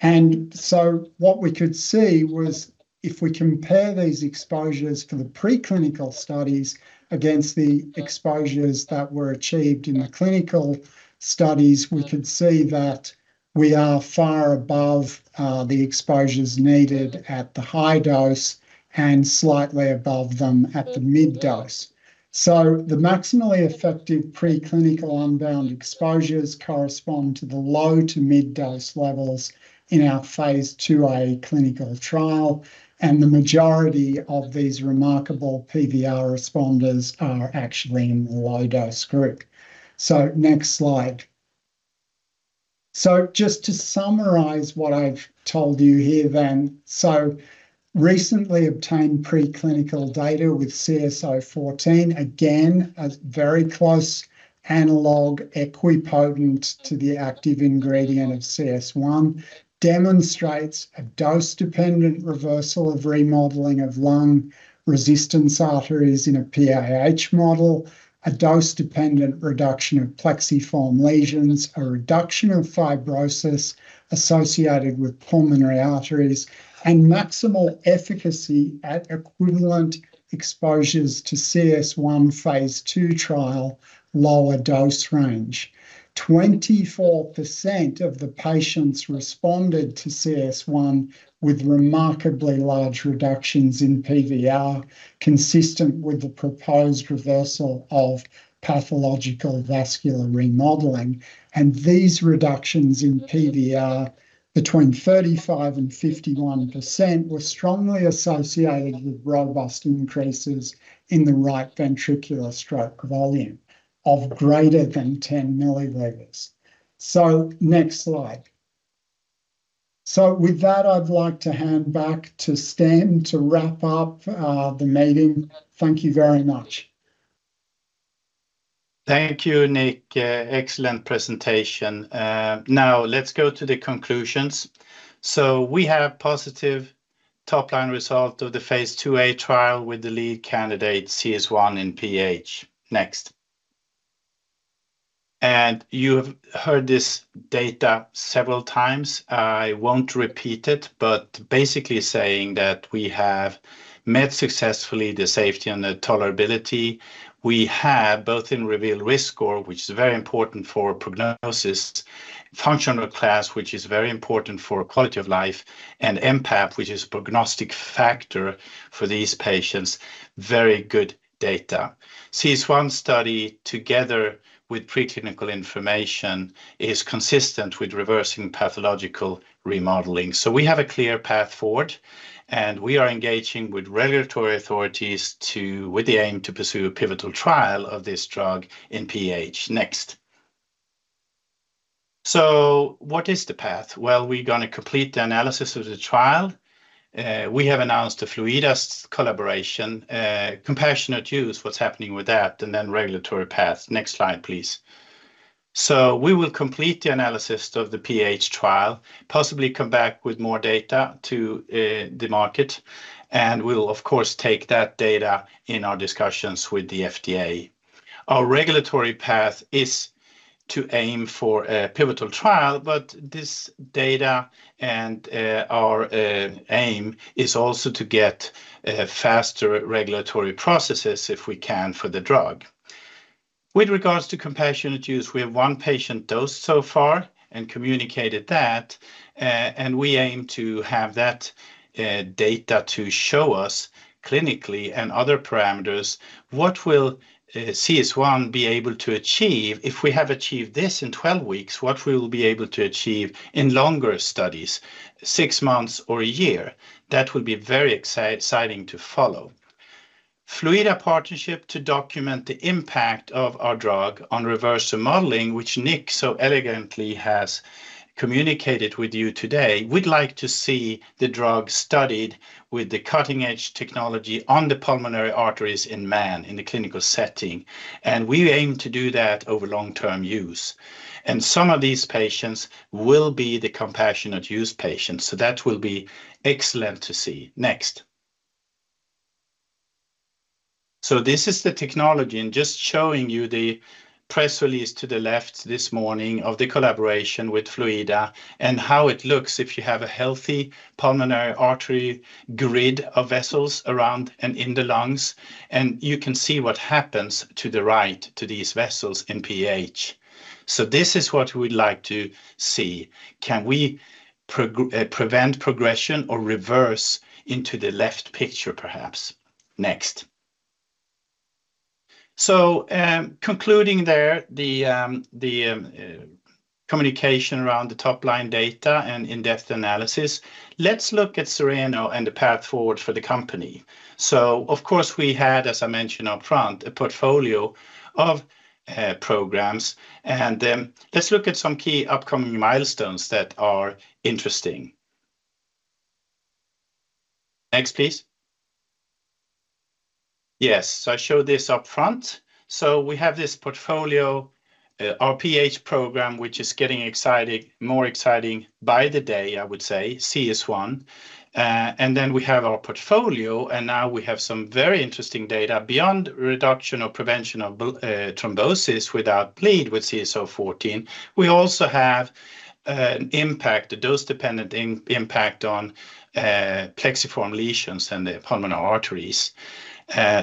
And so what we could see was, if we compare these exposures to the preclinical studies against the exposures that were achieved in the clinical studies, we could see that we are far above the exposures needed at the high dose and slightly above them at the mid dose. So the maximally effective preclinical unbound exposures correspond to the low to mid-dose levels in our phase IIa clinical trial, and the majority of these remarkable PVR responders are actually in the low-dose group. So next slide. So just to summarize what I've told you here then, so recently obtained preclinical data with CS014, again, a very close analog, equipotent to the active ingredient of CS1, demonstrates a dose-dependent reversal of remodeling of lung resistance arteries in a PAH model, a dose-dependent reduction of plexiform lesions, a reduction of fibrosis associated with pulmonary arteries, and maximal efficacy at equivalent exposures to CS1 phase II trial, lower dose range. 24% of the patients responded to CS1 with remarkably large reductions in PVR, consistent with the proposed reversal of pathological vascular remodeling, and these reductions in PVR, between 35% and 51%, were strongly associated with robust increases in the right ventricular stroke volume of greater than 10 milliliters. So next slide. So with that, I'd like to hand back to Sten to wrap up the meeting. Thank you very much. Thank you, Nick. Excellent presentation. Now let's go to the conclusions. So we have positive top-line result of the phase IIa trial with the lead candidate, CS1 in PH. Next. And you have heard this data several times. I won't repeat it, but basically saying that we have met successfully the safety and the tolerability. We have, both in REVEAL Risk Score, which is very important for prognosis, functional class, which is very important for quality of life, and mPAP, which is a prognostic factor for these patients, very good data. CS1 study, together with preclinical information, is consistent with reversing pathological remodeling. So we have a clear path forward, and we are engaging with regulatory authorities to... with the aim to pursue a pivotal trial of this drug in PH. Next.... So what is the path? Well, we're gonna complete the analysis of the trial. We have announced a Fluidda's collaboration, compassionate use, what's happening with that, and then regulatory path. Next slide, please. So we will complete the analysis of the PH trial, possibly come back with more data to the market, and we'll of course take that data in our discussions with the FDA. Our regulatory path is to aim for a pivotal trial, but this data and our aim is also to get faster regulatory processes, if we can, for the drug. With regards to compassionate use, we have one patient dosed so far and communicated that, and we aim to have that data to show us clinically and other parameters, what will CS1 be able to achieve if we have achieved this in twelve weeks, what we will be able to achieve in longer studies, six months or a year? That will be very exciting to follow. Fluidda partnership to document the impact of our drug on reverse remodeling, which Nick so elegantly has communicated with you today. We'd like to see the drug studied with the cutting-edge technology on the pulmonary arteries in man, in the clinical setting, and we aim to do that over long-term use, and some of these patients will be the compassionate use patients, so that will be excellent to see. Next. So this is the technology, and just showing you the press release to the left this morning of the collaboration with Fluidda and how it looks if you have a healthy pulmonary artery grid of vessels around and in the lungs, and you can see what happens to the right to these vessels in PH. So this is what we'd like to see. Can we prevent progression or reverse into the left picture, perhaps? Next. So, concluding there, the communication around the top-line data and in-depth analysis, let's look at Cereno and the path forward for the company. So of course, we had, as I mentioned up front, a portfolio of, programs, and, let's look at some key upcoming milestones that are interesting. Next, please. Yes, so I showed this up front. So we have this portfolio, our PH program, which is getting exciting, more exciting by the day, I would say, CS1. And then we have our portfolio, and now we have some very interesting data beyond reduction or prevention of thrombosis without bleed with CS014. We also have, impact, a dose-dependent impact on, plexiform lesions in the pulmonary arteries.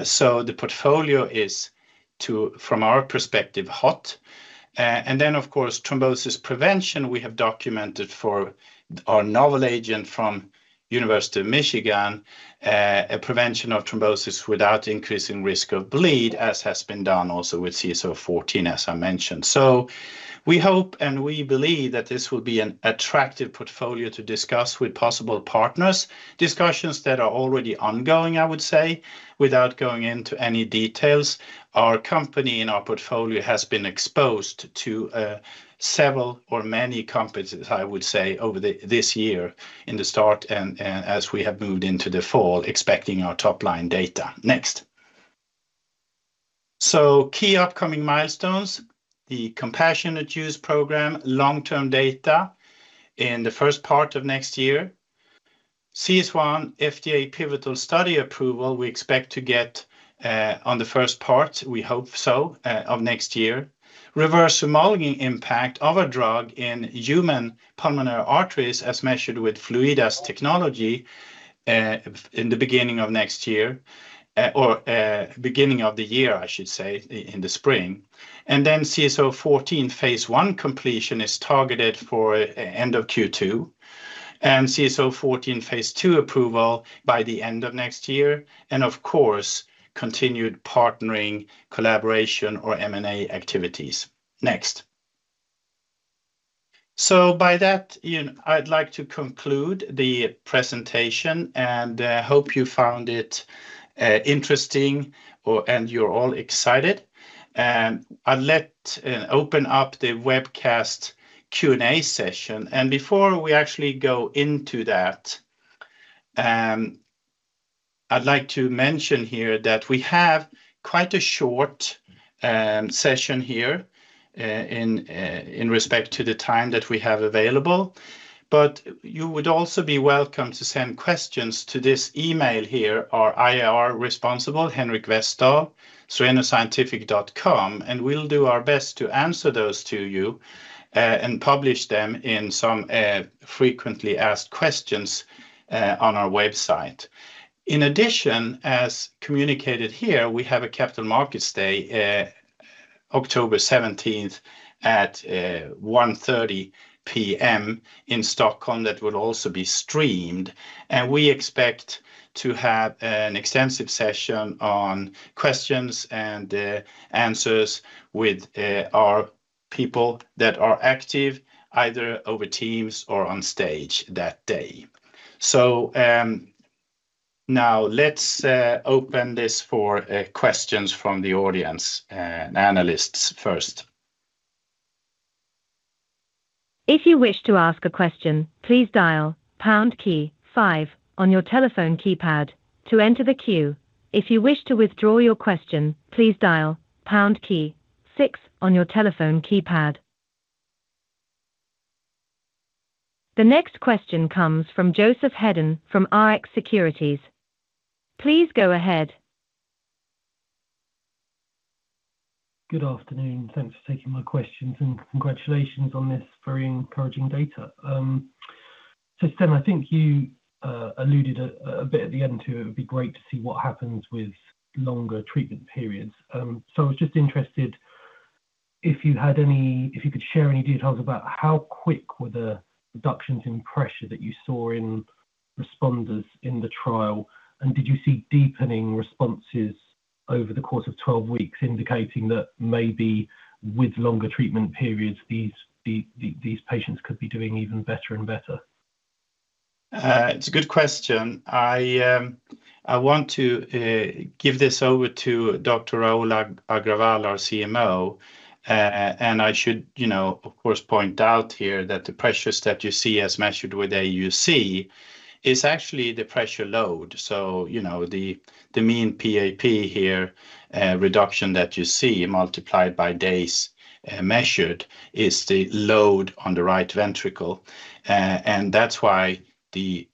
So the portfolio is to, from our perspective, hot. And then, of course, thrombosis prevention, we have documented for our novel agent from University of Michigan, a prevention of thrombosis without increasing risk of bleed, as has been done also with CS014, as I mentioned. So we hope, and we believe that this will be an attractive portfolio to discuss with possible partners, discussions that are already ongoing, I would say, without going into any details. Our company and our portfolio has been exposed to several or many companies, I would say, over this year in the start and as we have moved into the fall, expecting our top-line data. Next. So key upcoming milestones, the Compassionate Use Program, long-term data in the first part of next year. CS1, FDA pivotal study approval, we expect to get, on the first part, we hope so, of next year. Reverse remodeling impact of a drug in human pulmonary arteries, as measured with Fluidda's technology, in the beginning of next year, or, beginning of the year, I should say, in the spring. And then CS014 phase I completion is targeted for end of Q2, and CS014 phase II approval by the end of next year, and of course, continued partnering, collaboration, or M&A activities. Next. So by that, you know, I'd like to conclude the presentation, and, hope you found it, interesting or, and you're all excited. I'll let open up the webcast Q&A session. And before we actually go into that, I'd like to mention here that we have quite a short session here, in respect to the time that we have available. But you would also be welcome to send questions to this email here, our IR responsible, Henrik Westdahl, henrik.westdahl@cerenoscientific.com, and we'll do our best to answer those to you, and publish them in some frequently asked questions on our website. In addition, as communicated here, we have a Capital Markets Day, October 17th at 1:30 P.M. in Stockholm. That will also be streamed, and we expect to have an extensive session on questions and answers with our people that are active, either over Teams or on stage that day. Now, let's open this for questions from the audience, analysts first. If you wish to ask a question, please dial pound key five on your telephone keypad to enter the queue. If you wish to withdraw your question, please dial pound key six on your telephone keypad. The next question comes from Joseph Hedden from Rx Securities. Please go ahead. Good afternoon. Thanks for taking my questions, and congratulations on this very encouraging data, so Sten, I think you alluded a bit at the end to it would be great to see what happens with longer treatment periods, so I was just interested if you could share any details about how quick were the reductions in pressure that you saw in responders in the trial, and did you see deepening responses over the course of twelve weeks, indicating that maybe with longer treatment periods, these patients could be doing even better and better? It's a good question. I want to give this over to Dr. Rahul Agrawal, our CMO. And I should, you know, of course, point out here that the pressures that you see as measured with AUC is actually the pressure load. So, you know, the mean PAP here reduction that you see multiplied by days measured is the load on the right ventricle. And that's why the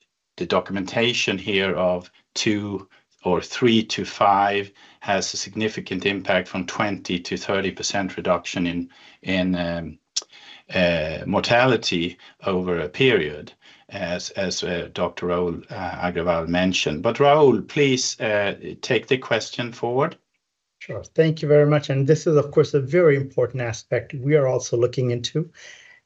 documentation here of two or three to five has a significant impact from 20%-30% reduction in mortality over a period as Dr. Rahul Agrawal mentioned. But, Rahul, please, take the question forward. Sure. Thank you very much, and this is, of course, a very important aspect we are also looking into.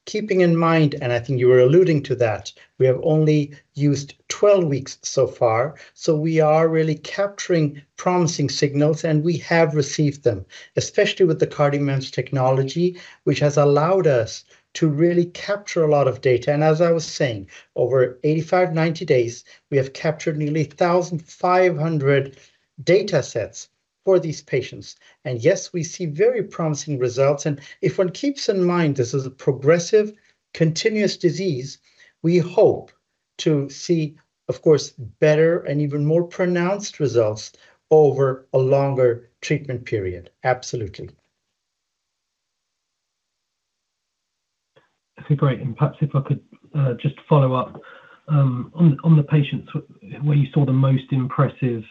Keeping in mind, and I think you were alluding to that, we have only used 12 weeks so far. So we are really capturing promising signals, and we have received them, especially with the CardioMEMS technology, which has allowed us to really capture a lot of data. And as I was saying, over 85-90 days, we have captured nearly 1,500 data sets for these patients, and yes, we see very promising results. And if one keeps in mind, this is a progressive, continuous disease, we hope to see, of course, better and even more pronounced results over a longer treatment period. Absolutely. Okay, great, and perhaps if I could just follow up on the patients where you saw the most impressive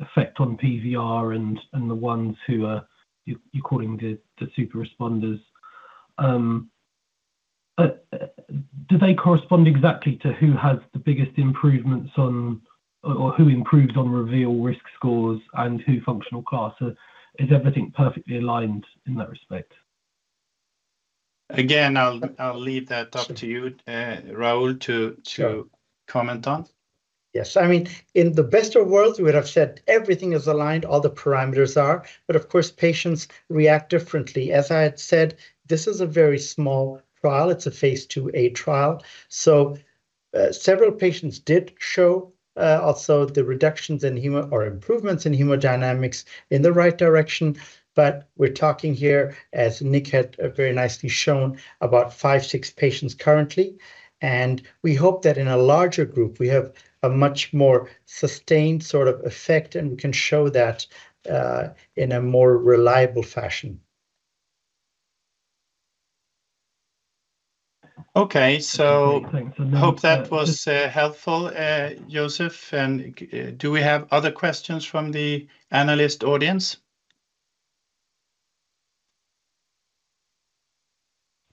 effect on PVR and the ones who you're calling the super responders. Do they correspond exactly to who has the biggest improvements on or who improves on REVEAL Risk Scores and who Functional Class? So is everything perfectly aligned in that respect? Again, I'll leave that up to you, Rahul, to- Sure - to comment on. Yes. I mean, in the best of worlds, we would have said everything is aligned, all the parameters are, but of course, patients react differently. As I had said, this is a very small trial. It's a phase IIa trial, so, several patients did show, also the reductions in hemo or improvements in hemodynamics in the right direction, but we're talking here, as Nick had very nicely shown, about five, six patients currently, and we hope that in a larger group, we have a much more sustained sort of effect, and we can show that, in a more reliable fashion. Okay. So- Thanks I hope that was helpful, Joseph. And do we have other questions from the analyst audience?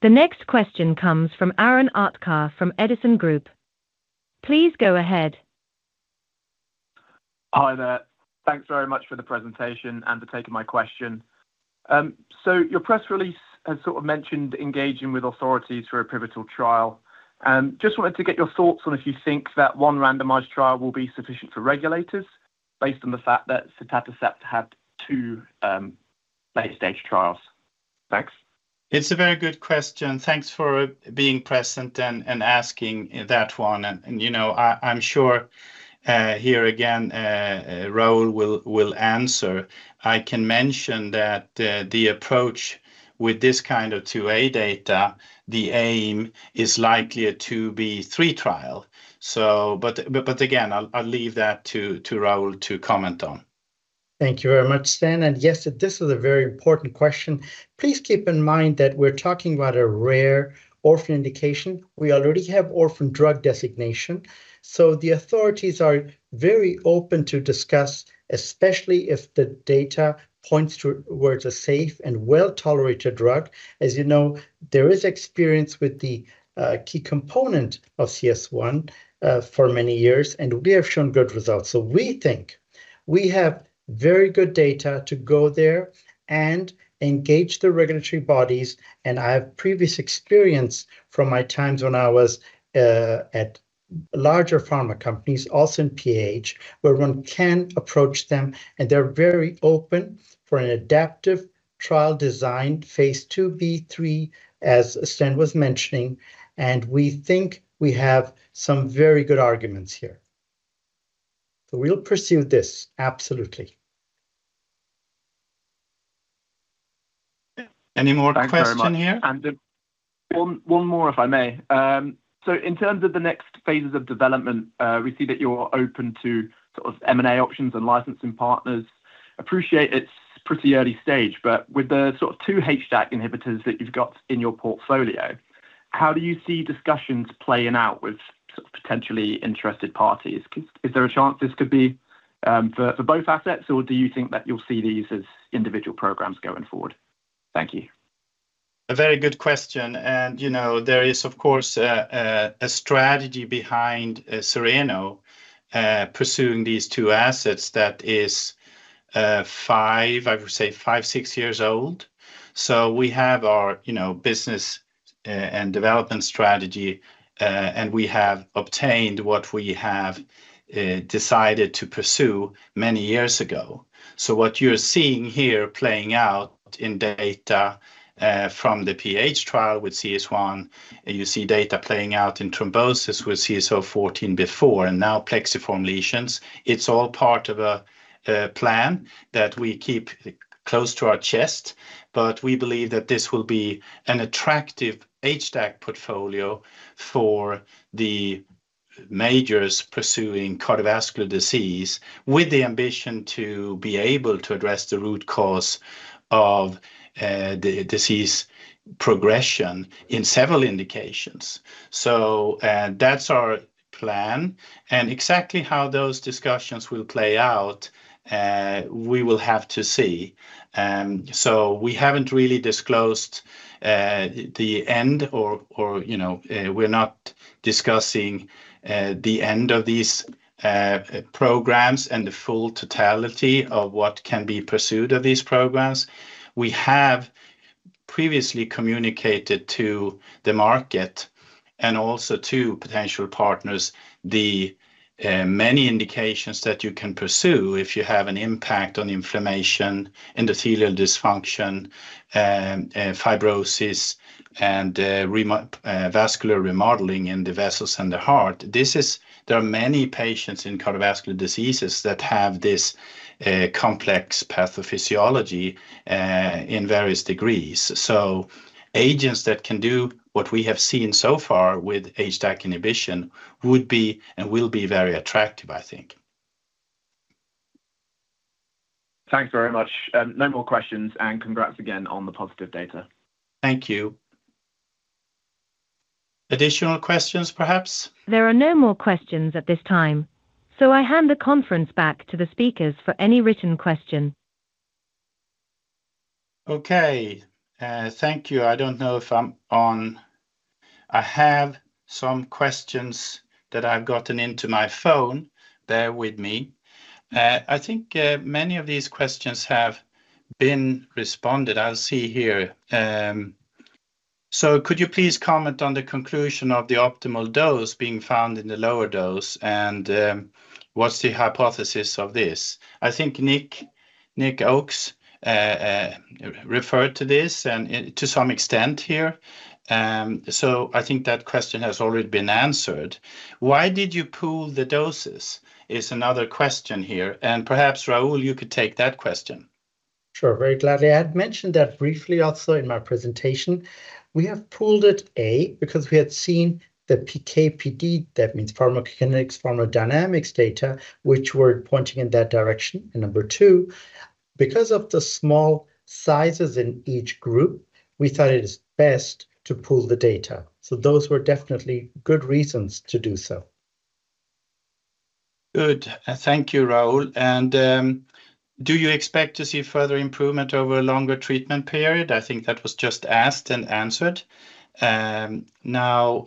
The next question comes from Aaron Aatkar, from Edison Group. Please go ahead. Hi there. Thanks very much for the presentation and for taking my question. So your press release has sort of mentioned engaging with authorities for a pivotal trial. Just wanted to get your thoughts on if you think that one randomized trial will be sufficient for regulators based on the fact that Sotatercept had two late-stage trials. Thanks. It's a very good question. Thanks for being present and, you know, I'm sure, here again, Rahul will answer. I can mention that, the approach with this kind of two A data, the aim is likely to be three trial. So but again, I'll leave that to Rahul to comment on. Thank you very much, Sten, and yes, this is a very important question. Please keep in mind that we're talking about a rare orphan indication. We already have orphan drug designation, so the authorities are very open to discuss, especially if the data points to towards a safe and well-tolerated drug. As you know, there is experience with the key component of CS1 for many years, and we have shown good results. So we think we have very good data to go there and engage the regulatory bodies, and I have previous experience from my times when I was at larger pharma companies, also in PH, where one can approach them, and they're very open for an adaptive trial design phase II, phase III, as Sten was mentioning, and we think we have some very good arguments here. So we'll pursue this, absolutely. Any more question here? Thank you very much. And one more, if I may. So in terms of the next phases of development, we see that you're open to sort of M&A options and licensing partners. Appreciate it's pretty early stage, but with the sort of two HDAC inhibitors that you've got in your portfolio, how do you see discussions playing out with sort of potentially interested parties? Is there a chance this could be for both assets, or do you think that you'll see these as individual programs going forward? Thank you. A very good question, and, you know, there is, of course, a strategy behind Cereno pursuing these two assets that is five, I would say five, six years old. So we have our, you know, business and development strategy, and we have obtained what we have decided to pursue many years ago. So what you're seeing here playing out in data from the PH trial with CS1, and you see data playing out in thrombosis with CS014 before, and now plexiform lesions, it's all part of a plan that we keep close to our chest. But we believe that this will be an attractive HDAC portfolio for the majors pursuing cardiovascular disease, with the ambition to be able to address the root cause of the disease progression in several indications. That's our plan, and exactly how those discussions will play out, we will have to see. We haven't really disclosed the end or, you know, we're not discussing the end of these programs and the full totality of what can be pursued of these programs. We have previously communicated to the market and also to potential partners the many indications that you can pursue if you have an impact on inflammation, endothelial dysfunction, fibrosis, and vascular remodeling in the vessels and the heart. There are many patients in cardiovascular diseases that have this complex pathophysiology in various degrees. Agents that can do what we have seen so far with HDAC inhibition would be, and will be very attractive, I think. Thanks very much. No more questions, and congrats again on the positive data. Thank you. Additional questions, perhaps? There are no more questions at this time, so I hand the conference back to the speakers for any written question. Okay, thank you. I don't know if I'm on. I have some questions that I've gotten into my phone there with me. I think many of these questions have been responded. I'll see here. So could you please comment on the conclusion of the optimal dose being found in the lower dose, and what's the hypothesis of this? I think Nick, Nick Oakes referred to this and to some extent here. So I think that question has already been answered. Why did you pool the doses? Is another question here, and perhaps, Rahul, you could take that question. Sure, very gladly. I had mentioned that briefly also in my presentation. We have pooled it, A, because we had seen the PK, PD, that means pharmacokinetics, pharmacodynamics data, which were pointing in that direction. And number two, because of the small sizes in each group, we thought it is best to pool the data. So those were definitely good reasons to do so. Good. Thank you, Rahul. And do you expect to see further improvement over a longer treatment period? I think that was just asked and answered. Now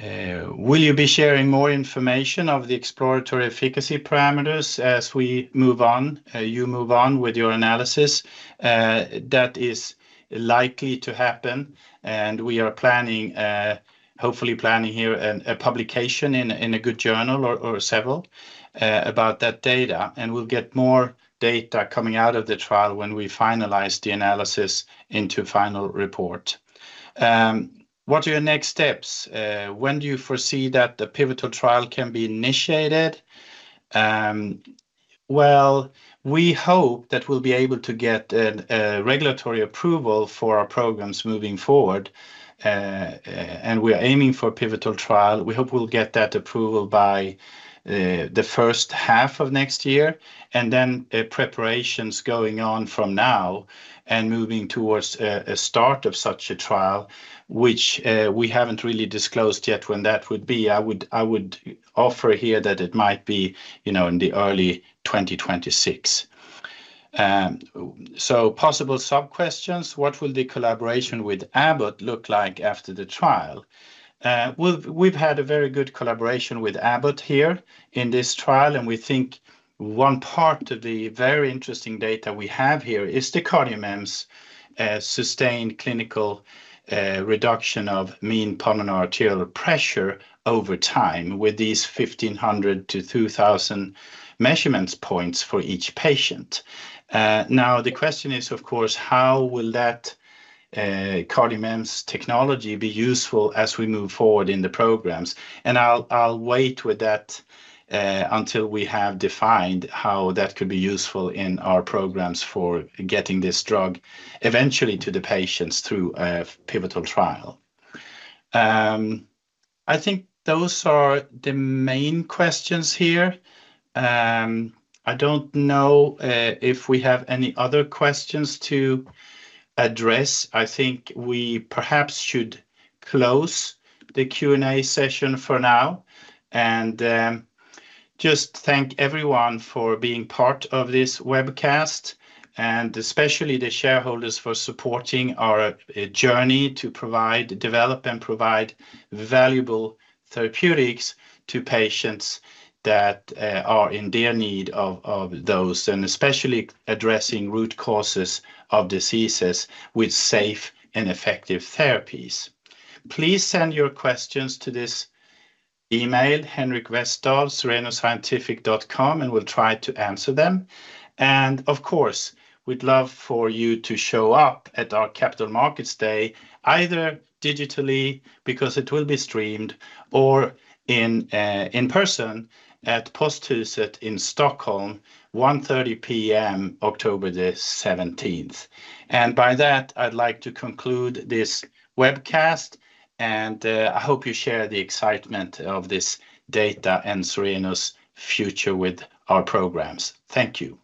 will you be sharing more information of the exploratory efficacy parameters as we move on, you move on with your analysis? That is likely to happen, and we are planning, hopefully planning here a publication in a good journal or several about that data. And we'll get more data coming out of the trial when we finalize the analysis into final report. What are your next steps? When do you foresee that the pivotal trial can be initiated? Well, we hope that we'll be able to get a regulatory approval for our programs moving forward, and we are aiming for a pivotal trial. We hope we'll get that approval by the first half of next year, and then preparations going on from now and moving towards a start of such a trial, which we haven't really disclosed yet when that would be. I would offer here that it might be, you know, in the early 2026. So possible sub-questions: What will the collaboration with Abbott look like after the trial? We've had a very good collaboration with Abbott here in this trial, and we think one part of the very interesting data we have here is the CardioMEMS sustained clinical reduction of mean pulmonary arterial pressure over time with these 1,500-2,000 measurement points for each patient. Now, the question is, of course, how will that CardioMEMS technology be useful as we move forward in the programs? I'll wait with that until we have defined how that could be useful in our programs for getting this drug eventually to the patients through a pivotal trial. I think those are the main questions here. I don't know if we have any other questions to address. I think we perhaps should close the Q&A session for now, and just thank everyone for being part of this webcast, and especially the shareholders for supporting our journey to provide, develop and provide valuable therapeutics to patients that are in dire need of those, and especially addressing root causes of diseases with safe and effective therapies. Please send your questions to this email, henrik.westdahl@cerenoscientific.com, and we'll try to answer them. And of course, we'd love for you to show up at our Capital Markets Day, either digitally, because it will be streamed, or in person at Posthuset in Stockholm, 1:30 p.m., October the 17th. And by that, I'd like to conclude this webcast, and I hope you share the excitement of this data and Cereno's future with our programs. Thank you.